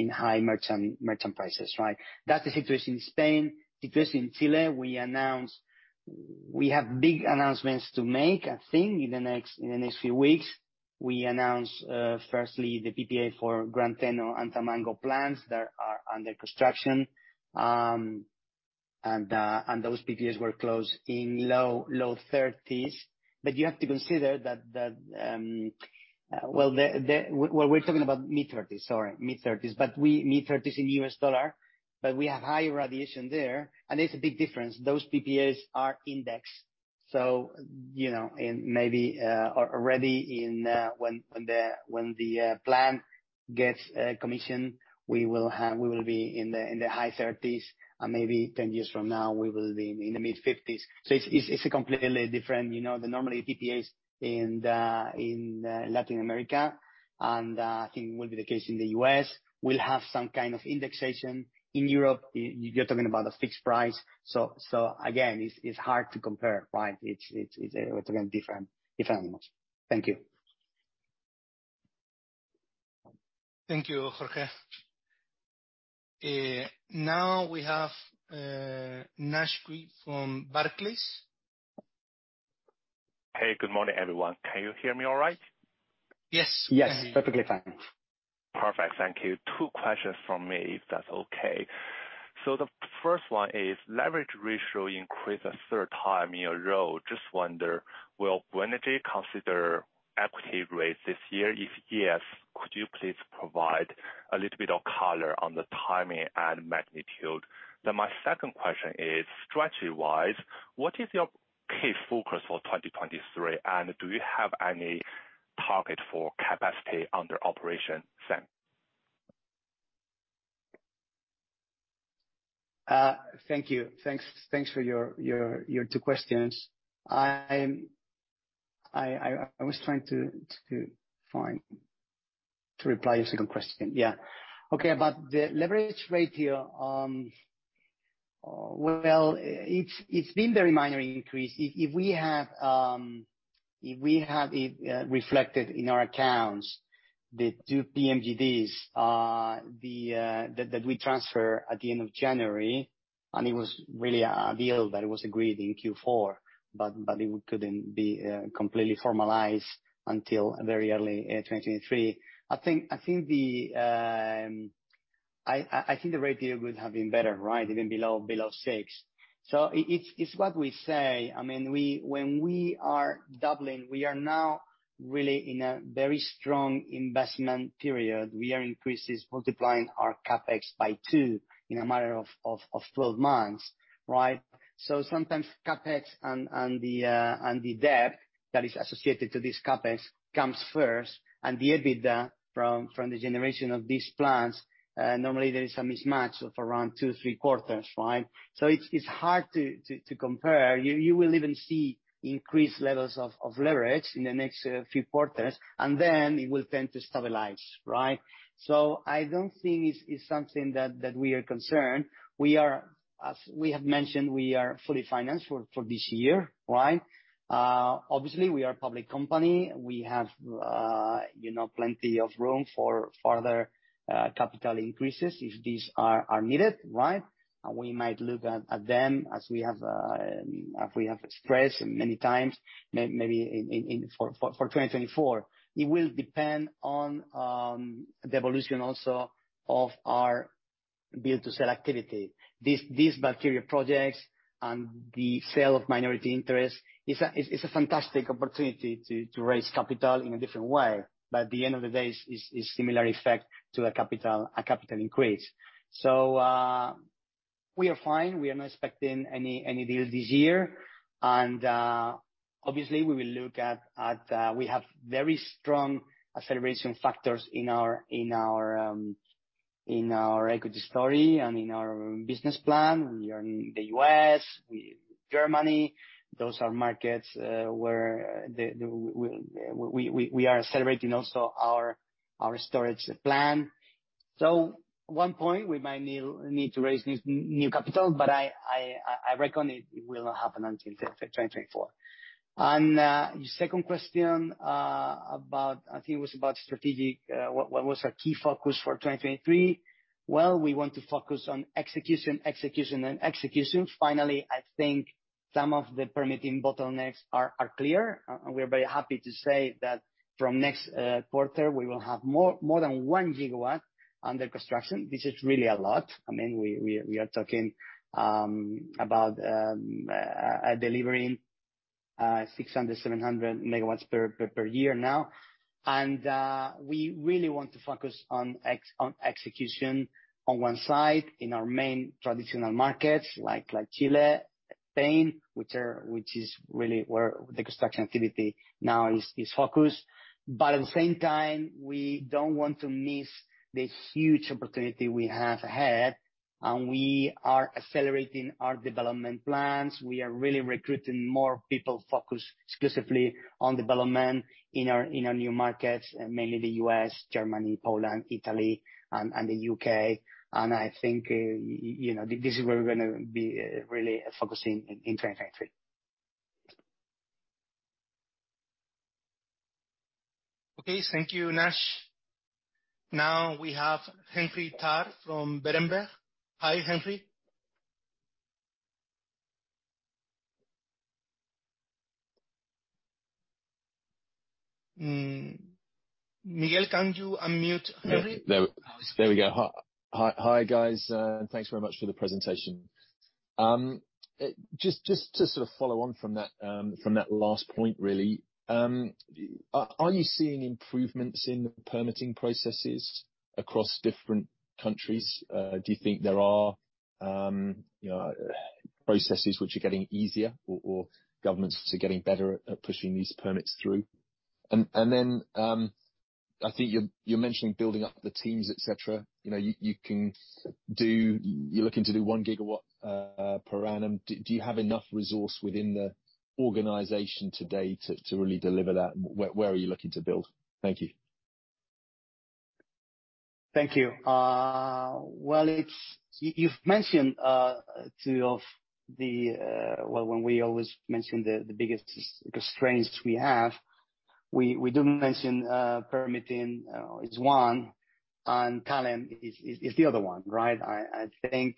merchant prices, right? That's the situation in Spain. The situation in Chile, we have big announcements to make, I think, in the next few weeks. We announced, firstly, the PPA for Gran Teno Antamanga plants that are under construction. And those PPAs were closed in low 30s. You have to consider that, well, we're talking about mid-30s. Sorry, mid-30s. mid-30s in U.S. dollar, but we have high radiation there, and there's a big difference. Those PPAs are indexed, so, you know, in maybe, or already in, when the plant gets commissioned, we will be in the high 30s, and maybe 10 years from now we will be in the mid-50s. It's a completely different, you know, the normally PPAs in Latin America, and I think will be the case in the U.S., will have some kind of indexation. In Europe, you're talking about a fixed price. Again, it's hard to compare, right? It's again, different animals. Thank you. Thank you, Jorge. Now we have Naisheng Cui from Barclays. Hey, good morning, everyone. Can you hear me all right? Yes. Yes, perfectly fine. Perfect. Thank you. Two questions from me, if that's okay. The first one is leverage ratio increased a third time in a row. Just wonder, will GRENERGY consider equity rate this year? If yes, could you please provide a little bit of color on the timing and magnitude? My second question is, strategy-wise, what is your key focus for 2023, and do you have any target for capacity under operation? Thanks. Thank you. Thanks for your two questions. I was trying to reply your second question. About the leverage ratio, well, it's been very minor increase. If we have it reflected in our accounts, the two PMGDs that we transfer at the end of January, it was really a deal that was agreed in Q4, but it couldn't be completely formalized until very early 2023. I think the ratio would have been better, right, even below six. It's what we say. I mean, when we are doubling, we are now really in a very strong investment period. We are increases multiplying our CapEx by two in a matter of 12 months, right? Sometimes CapEx and the debt that is associated to this CapEx comes first, and the EBITDA from the generation of these plants, normally there is a mismatch of around two, three quarters, right? It's hard to compare. You will even see increased levels of leverage in the next few quarters, and then it will tend to stabilize, right? I don't think it's something that we are concerned. We are, as we have mentioned, we are fully financed for this year, right? Obviously, we are a public company. We have, you know, plenty of room for further capital increases if these are needed, right? We might look at them as we have expressed many times, maybe in 2024. It will depend on the evolution also of our build to sell activity. These battery projects and the sale of minority interest is a fantastic opportunity to raise capital in a different way. At the end of the day, it's similar effect to a capital increase. We are fine. We are not expecting any deals this year. We have very strong acceleration factors in our equity story and in our business plan. We are in the U.S., we... Germany, those are markets, where we are celebrating also our storage plan. One point we might need to raise new capital, but I reckon it will not happen until 2024. Your second question about, I think it was about strategic, what was our key focus for 2023. Well, we want to focus on execution and execution. Finally, I think some of the permitting bottlenecks are clear. We're very happy to say that from next quarter, we will have more than 1 GW under construction. This is really a lot. I mean, we are talking about delivering 600 MW-700 MW per year now. We really want to focus on execution on one side in our main traditional markets like Chile, Spain, which is really where the construction activity now is focused. At the same time, we don't want to miss the huge opportunity we have ahead, and we are accelerating our development plans. We are really recruiting more people focused exclusively on development in our new markets, mainly the U.S., Germany, Poland, Italy and the U.K. I think, you know, this is where we're gonna be really focusing in 2023. Okay. Thank you, Nash. Now we have Henry Tarr from Berenberg. Hi, Henry. Miguel, can you unmute Henry? There we go. Hi, hi guys, thanks very much for the presentation. Just to sort of follow on from that, from that last point, really, are you seeing improvements in the permitting processes across different countries? Do you think there are, you know, processes which are getting easier or governments are getting better at pushing these permits through? Then, I think you're mentioning building up the teams, et cetera. You know, you're looking to do 1 GW per annum. Do you have enough resource within the organization today to really deliver that? Where are you looking to build? Thank you. Thank you. Well, you've mentioned two of the... Well, when we always mention the biggest constraints we have, we do mention permitting is one, and talent is the other one, right? I think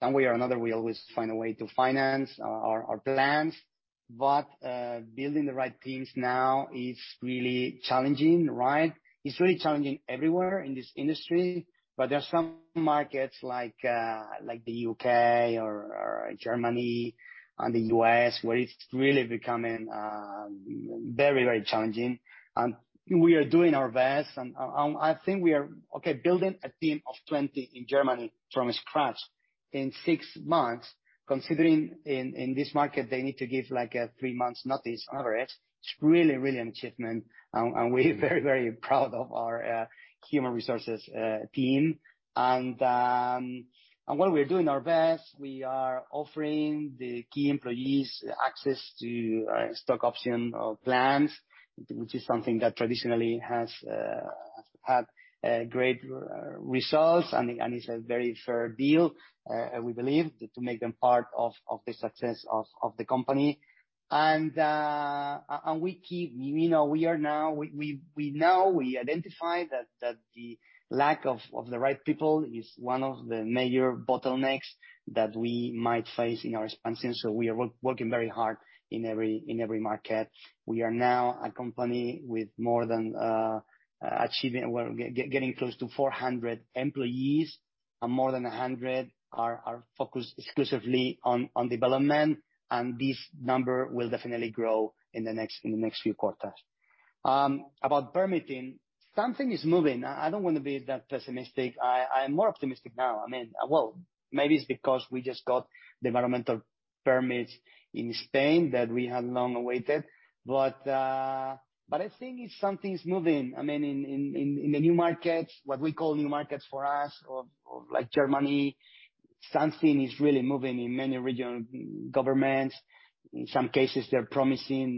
some way or another, we always find a way to finance our plans, but building the right teams now is really challenging, right? It's really challenging everywhere in this industry. There are some markets like the U.K. or Germany and the U.S., where it's really becoming very challenging. We are doing our best. I think building a team of 20 in Germany from scratch in six months, considering in this market, they need to give, like, a three months notice on average, it's really an achievement. We're very, very proud of our human resources team. While we're doing our best, we are offering the key employees access to stock option plans, which is something that traditionally has had great results and is a very fair deal, we believe, to make them part of the success of the company. You know, we identify that the lack of the right people is one of the major bottlenecks that we might face in our expansion, so we are working very hard in every market. We are now a company with more than, Well, getting close to 400 employees, and more than 100 are focused exclusively on development, and this number will definitely grow in the next, in the next few quarters. About permitting, something is moving. I don't wanna be that pessimistic. I'm more optimistic now. I mean... Well, maybe it's because we just got the environmental permits in Spain that we have long awaited. But, but I think it's something's moving. I mean, in the new markets, what we call new markets for us, of like Germany, something is really moving in many regional governments. In some cases, they're promising,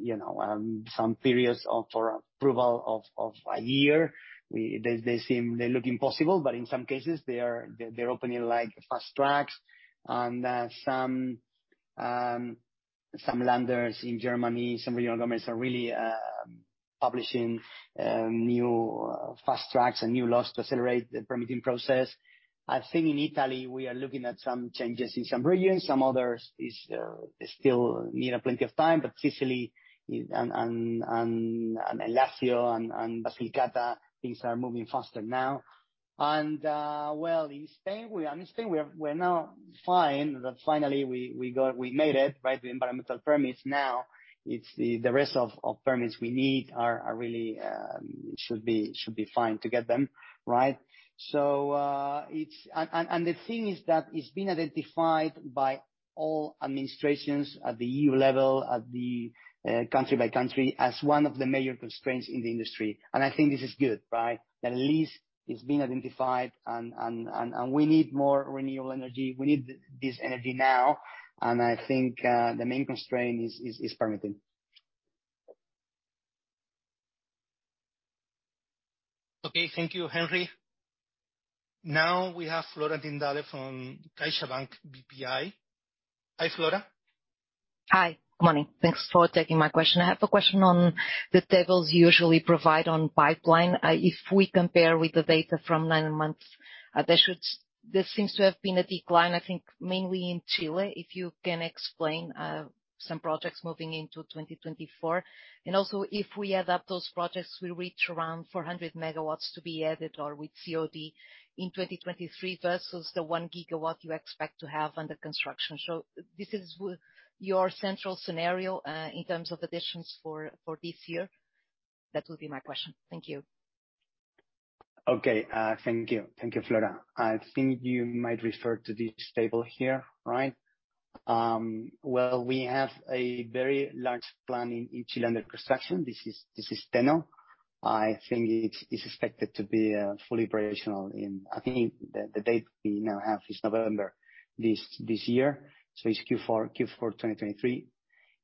you know, some periods, for approval of a year. They, they seem... They're looking possible, but in some cases, they're opening fast tracks. Some lenders in Germany, some regional governments are really publishing new fast tracks and new laws to accelerate the permitting process. I think in Italy, we are looking at some changes in some regions. Some others is still need plenty of time, but Sicily and Lazio and Basilicata, things are moving faster now. Well, in Spain, in Spain we're now fine. That finally we made it, right? The environmental permits. Now, it's the rest of permits we need are really should be fine to get them, right? It's... The thing is that it's been identified by all administrations at the EU level, at the country by country, as one of the major constraints in the industry. I think this is good, right? That at least it's been identified and we need more renewable energy. We need this energy now. I think the main constraint is permitting. Okay. Thank you, Henry. Now we have Flora Tindall from CaixaBank BPI. Hi, Flora. Hi. Good morning. Thanks for taking my question. I have a question on the tables you usually provide on pipeline. If we compare with the data from nine months, there seems to have been a decline, I think mainly in Chile. If you can explain, some projects moving into 2024. Also, if we add up those projects, we reach around 400 MW to be added or with COD in 2023 versus the 1 GW you expect to have under construction. This is your central scenario in terms of additions for this year? That would be my question. Thank you. Okay. Thank you. Thank you, Flora. I think you might refer to this table here, right? Well, we have a very large plan in Chile under construction. This is Teno. I think it is expected to be fully operational in, I think the date we now have is November this year. So it's Q4 2023.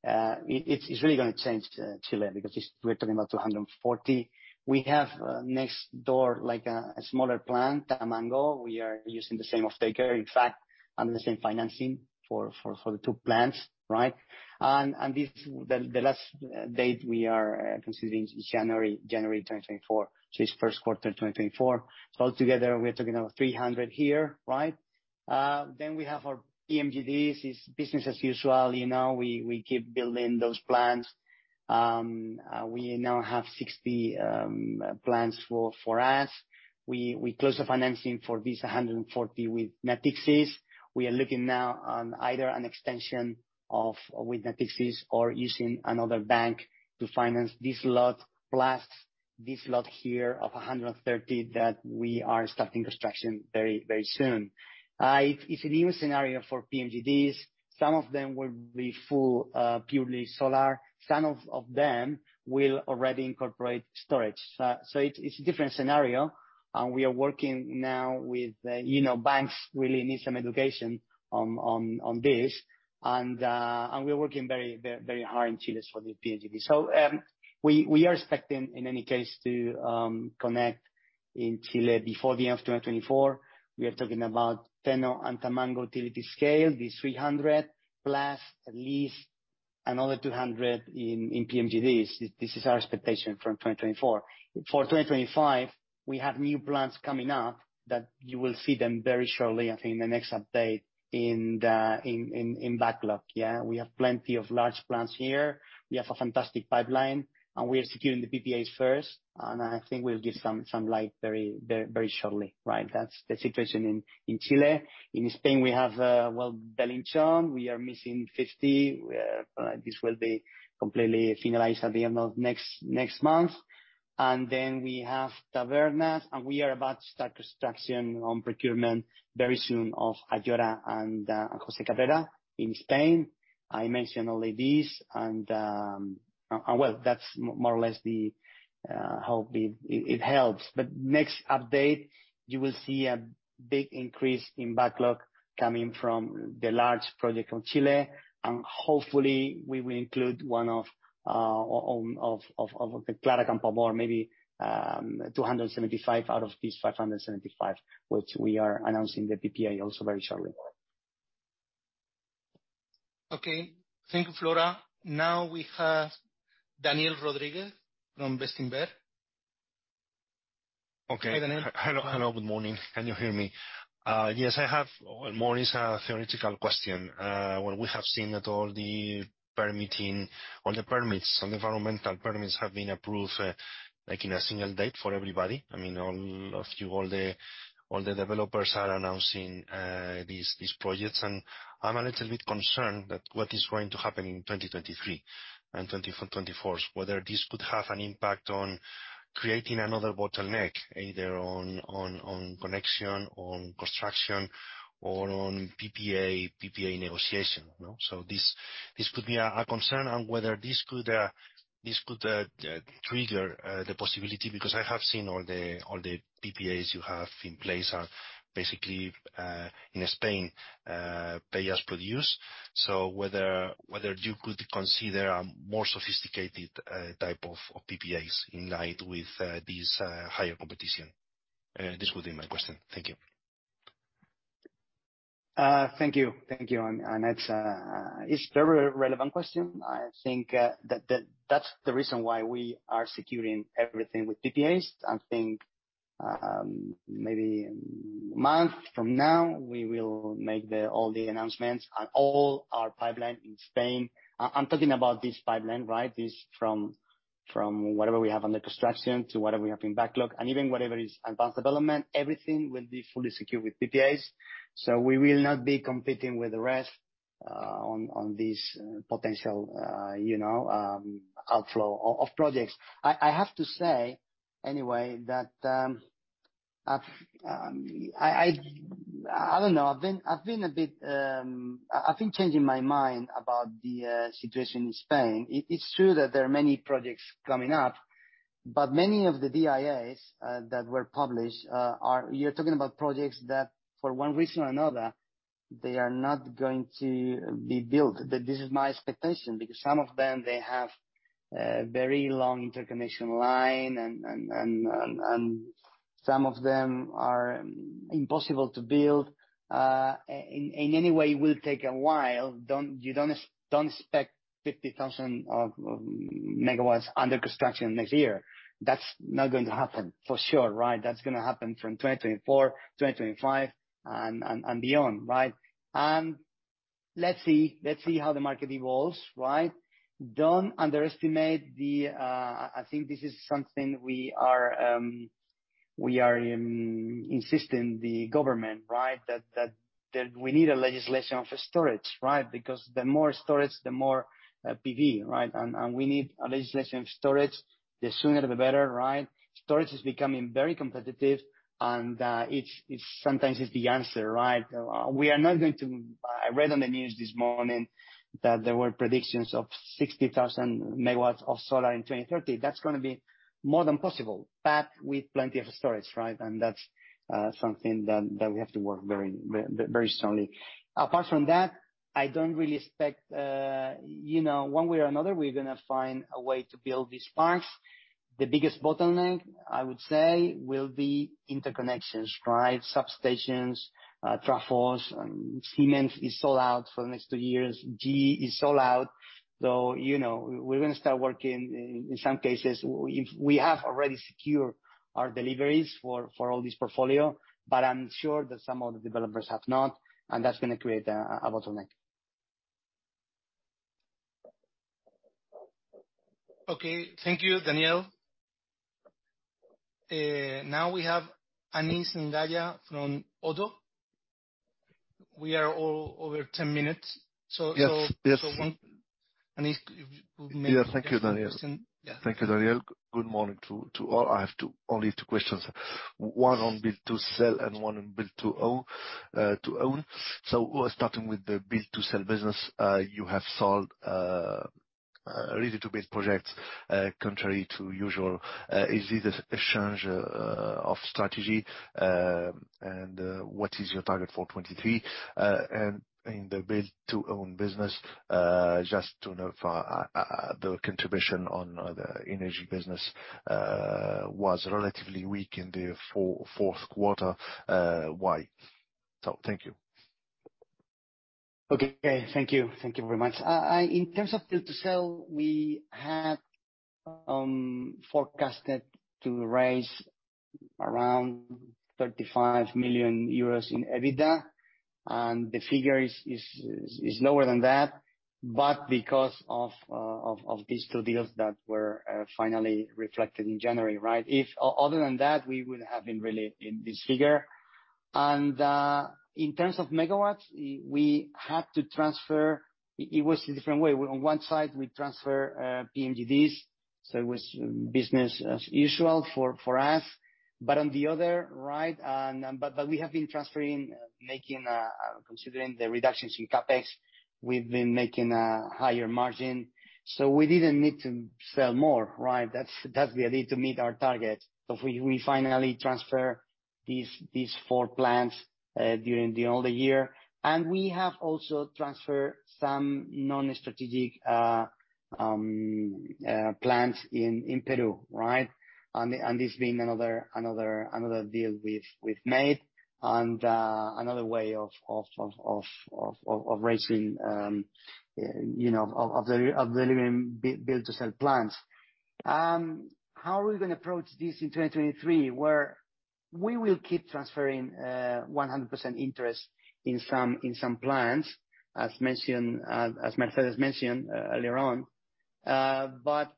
It's really going to change Chile because we're talking about 240. We have next door, like a smaller plant, Tamango. We are using the same off-taker, in fact, and the same financing for the two plants, right? And the last date we are considering is January 2024, so it's first quarter 2024. So altogether, we're talking about 300 here, right? Then we have our PMGDs. It's business as usual, you know. We keep building those plants. We now have 60 plants for us. We closed the financing for this 140 with Natixis. We are looking now on either an extension of with Natixis or using another bank to finance this lot, plus this lot here of 130 that we are starting construction very, very soon. It's a new scenario for PMGDs. Some of them will be full, purely solar. Some of them will already incorporate storage. It's a different scenario, and we are working now with. You know, banks really need some education on this. We're working very hard in Chile for the PMGD. We are expecting, in any case, to connect in Chile before the end of 2024, we are talking about Teno and Tamango utility scale, the 300, plus at least another 200 in PMGDs. This is our expectation for 2024. For 2025, we have new plants coming up that you will see them very shortly, I think in the next update, in the backlog. We have plenty of large plants here. We have a fantastic pipeline, we are securing the PPAs first, I think we'll give some light very, very shortly, right? That's the situation in Chile. In Spain, we have, well, Belinchón, we are missing 50. This will be completely finalized at the end of next month. Then we have Tabernas, and we are about to start construction on procurement very soon of Ayora and Jose Cabrera in Spain. I mentioned all these. Well, that's more or less the how it helps. Next update, you will see a big increase in backlog coming from the large project from Chile, and hopefully we will include one of the Clara Campoamor, maybe, 275 out of these 575, which we are announcing the PPA also very shortly. Okay. Thank you, Flora. We have Daniel Rodríguez from Bestinver. Okay. Hi, Daniel. Hello, hello, good morning. Can you hear me? Yes, I have more is a theoretical question. Well, we have seen that all the permitting, all the permits, all the environmental permits have been approved, like in a single date for everybody. I mean, all of you, all the developers are announcing these projects. I'm a little bit concerned that what is going to happen in 2023 and 2024. Whether this could have an impact on creating another bottleneck, either on connection, on construction, or on PPA negotiation. This could be a concern on whether this could trigger the possibility because I have seen all the PPAs you have in place are basically in Spain, pay-as-produced. Whether you could consider a more sophisticated type of PPAs in light with this higher competition. This would be my question. Thank you. Thank you. Thank you. It's a very relevant question. I think that's the reason why we are securing everything with PPAs. I think maybe a month from now, we will make the, all the announcements and all our pipeline in Spain. I'm talking about this pipeline, right? This from whatever we have under construction to whatever we have in backlog, and even whatever is advanced development, everything will be fully secure with PPAs. We will not be competing with the rest, on this potential, you know, outflow of projects. I have to say, anyway, that I've, I don't know, I've been a bit, I think changing my mind about the situation in Spain. It's true that there are many projects coming up, but many of the BIAs that were published are. You're talking about projects that, for one reason or another, they are not going to be built. This is my expectation because some of them, they have very long interconnection line and some of them are impossible to build. Anyway, it will take a while. Don't expect 50,000 MW under construction next year. That's not going to happen, for sure, right? That's gonna happen from 2024, 2025 and beyond, right? Let's see, let's see how the market evolves, right? Don't underestimate the, I think this is something we are insisting the government, right? That we need a legislation for storage, right? The more storage, the more PV, right? We need a legislation of storage, the sooner the better, right? Storage is becoming very competitive and it's sometimes it's the answer, right? We are not going to. I read on the news this morning that there were predictions of 60,000 MW of solar in 2030. That's gonna be more than possible, but with plenty of storage, right? That's something that we have to work very, very strongly. Apart from that, I don't really expect, you know, one way or another, we're gonna find a way to build these parks. The biggest bottleneck, I would say, will be interconnections, right? Substations, transformers. Siemens is sold out for the next two years. GE sold out. You know, we're gonna start working in some cases. We have already secured our deliveries for all this portfolio. I'm sure that some of the developers have not. That's gonna create a bottleneck. Okay. Thank you, Daniel. now we have Anis Zgaya from ODDO. We are all over 10 minutes. Yes, yes. So, so, so one- Anis, if you could. Yeah, thank you, Daniel. Thank you, Daniel. Good morning to all. I have only two questions. One on build to sell and one on build to own. Starting with the build to sell business, you have sold ready-to-build projects, contrary to usual. Is this a change of strategy? What is your target for 2023? In the build to own business, just to know if the contribution on the energy business was relatively weak in the fourth quarter, why? Thank you. Okay, thank you. Thank you very much. In terms of build to sell, we had forecasted to raise around 35 million euros in EBITDA, and the figure is lower than that, but because of these two deals that were finally reflected in January, right? If other than that, we would have been really in this figure. In terms of megawatts, we had to transfer. It was a different way. On one side, we transfer PMGDs, so it was business as usual for us. On the other, right, but we have been transferring, making, considering the reductions in CapEx, we've been making a higher margin, so we didn't need to sell more, right? That's we need to meet our target. We finally transfer these four plants during the older year. We have also transferred some non-strategic plants in Peru, right? This being another deal we've made, and another way of raising, you know, of delivering build to sell plants. How are we gonna approach this in 2023 where we will keep transferring 100% interest in some plants, as mentioned, as Mercedes mentioned earlier on. But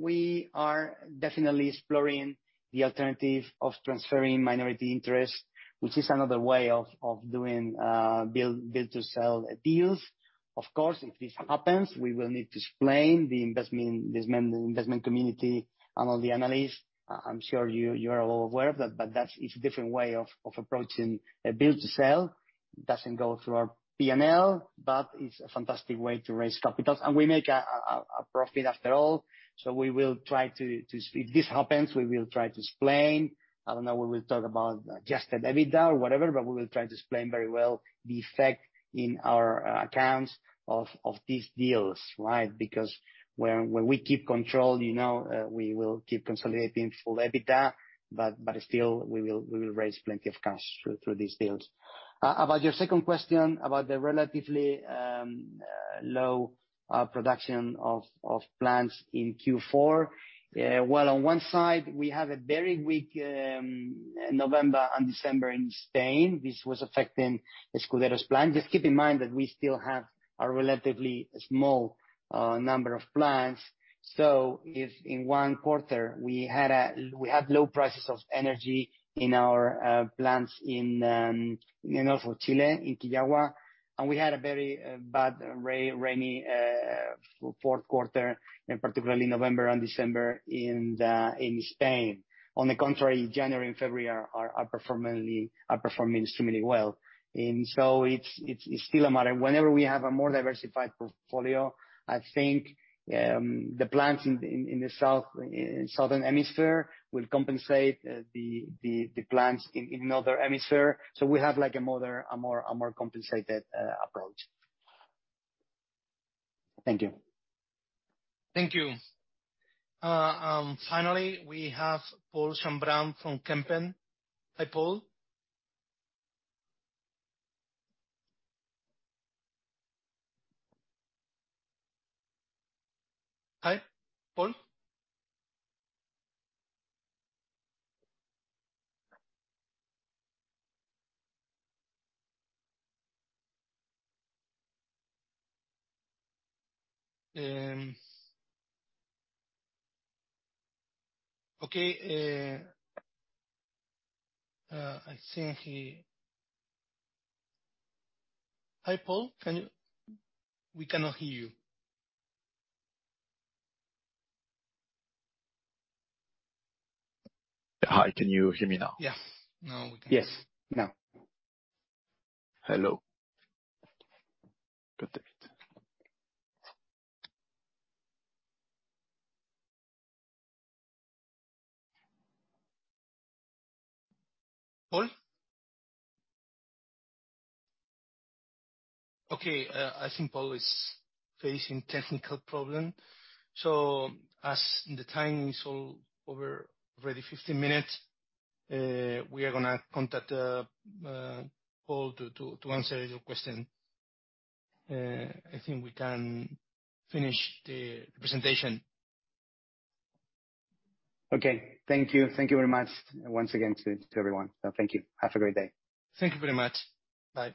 we are definitely exploring the alternative of transferring minority interest, which is another way of doing build to sell deals. Of course, if this happens, we will need to explain the investment community and all the analysts. I'm sure you are all aware of that. That's each different way of approaching a build to sell. It doesn't go through our P&L, but it's a fantastic way to raise capitals. We make a profit after all. If this happens, we will try to explain. I don't know, we will talk about adjusted EBITDA or whatever, but we will try to explain very well the effect in our accounts of these deals, right? Because when we keep control, you know, we will keep consolidating full EBITDA, but still we will raise plenty of cash through these deals. About your second question about the relatively low production of plants in Q4. Well, on one side, we have a very weak November and December in Spain. This was affecting Escuderos plant. Just keep in mind that we still have a relatively small number of plants. If in one quarter we had low prices of energy in our plants in north of Chile, in Quillagua, and we had a very bad rainy fourth quarter, in particularly November and December in Spain. On the contrary, January and February are performing extremely well. It's still a matter. Whenever we have a more diversified portfolio, I think the plants in the southern hemisphere will compensate the plants in northern hemisphere. We have like a more compensated approach. Thank you. Thank you. Finally, we have Paul [Schreurs] from Kempen. Hi, Paul. Okay, Hi, Paul, We cannot hear you. Hi, can you hear me now? Yes. Now we can. Yes, now. Hello. Got it. Paul? Okay, I think Paul is facing technical problem. As the time is all over already 15 minutes, we are gonna contact Paul to answer your question. I think we can finish the presentation. Okay. Thank you. Thank you very much once again to everyone. Thank you. Have a great day. Thank you very much. Bye.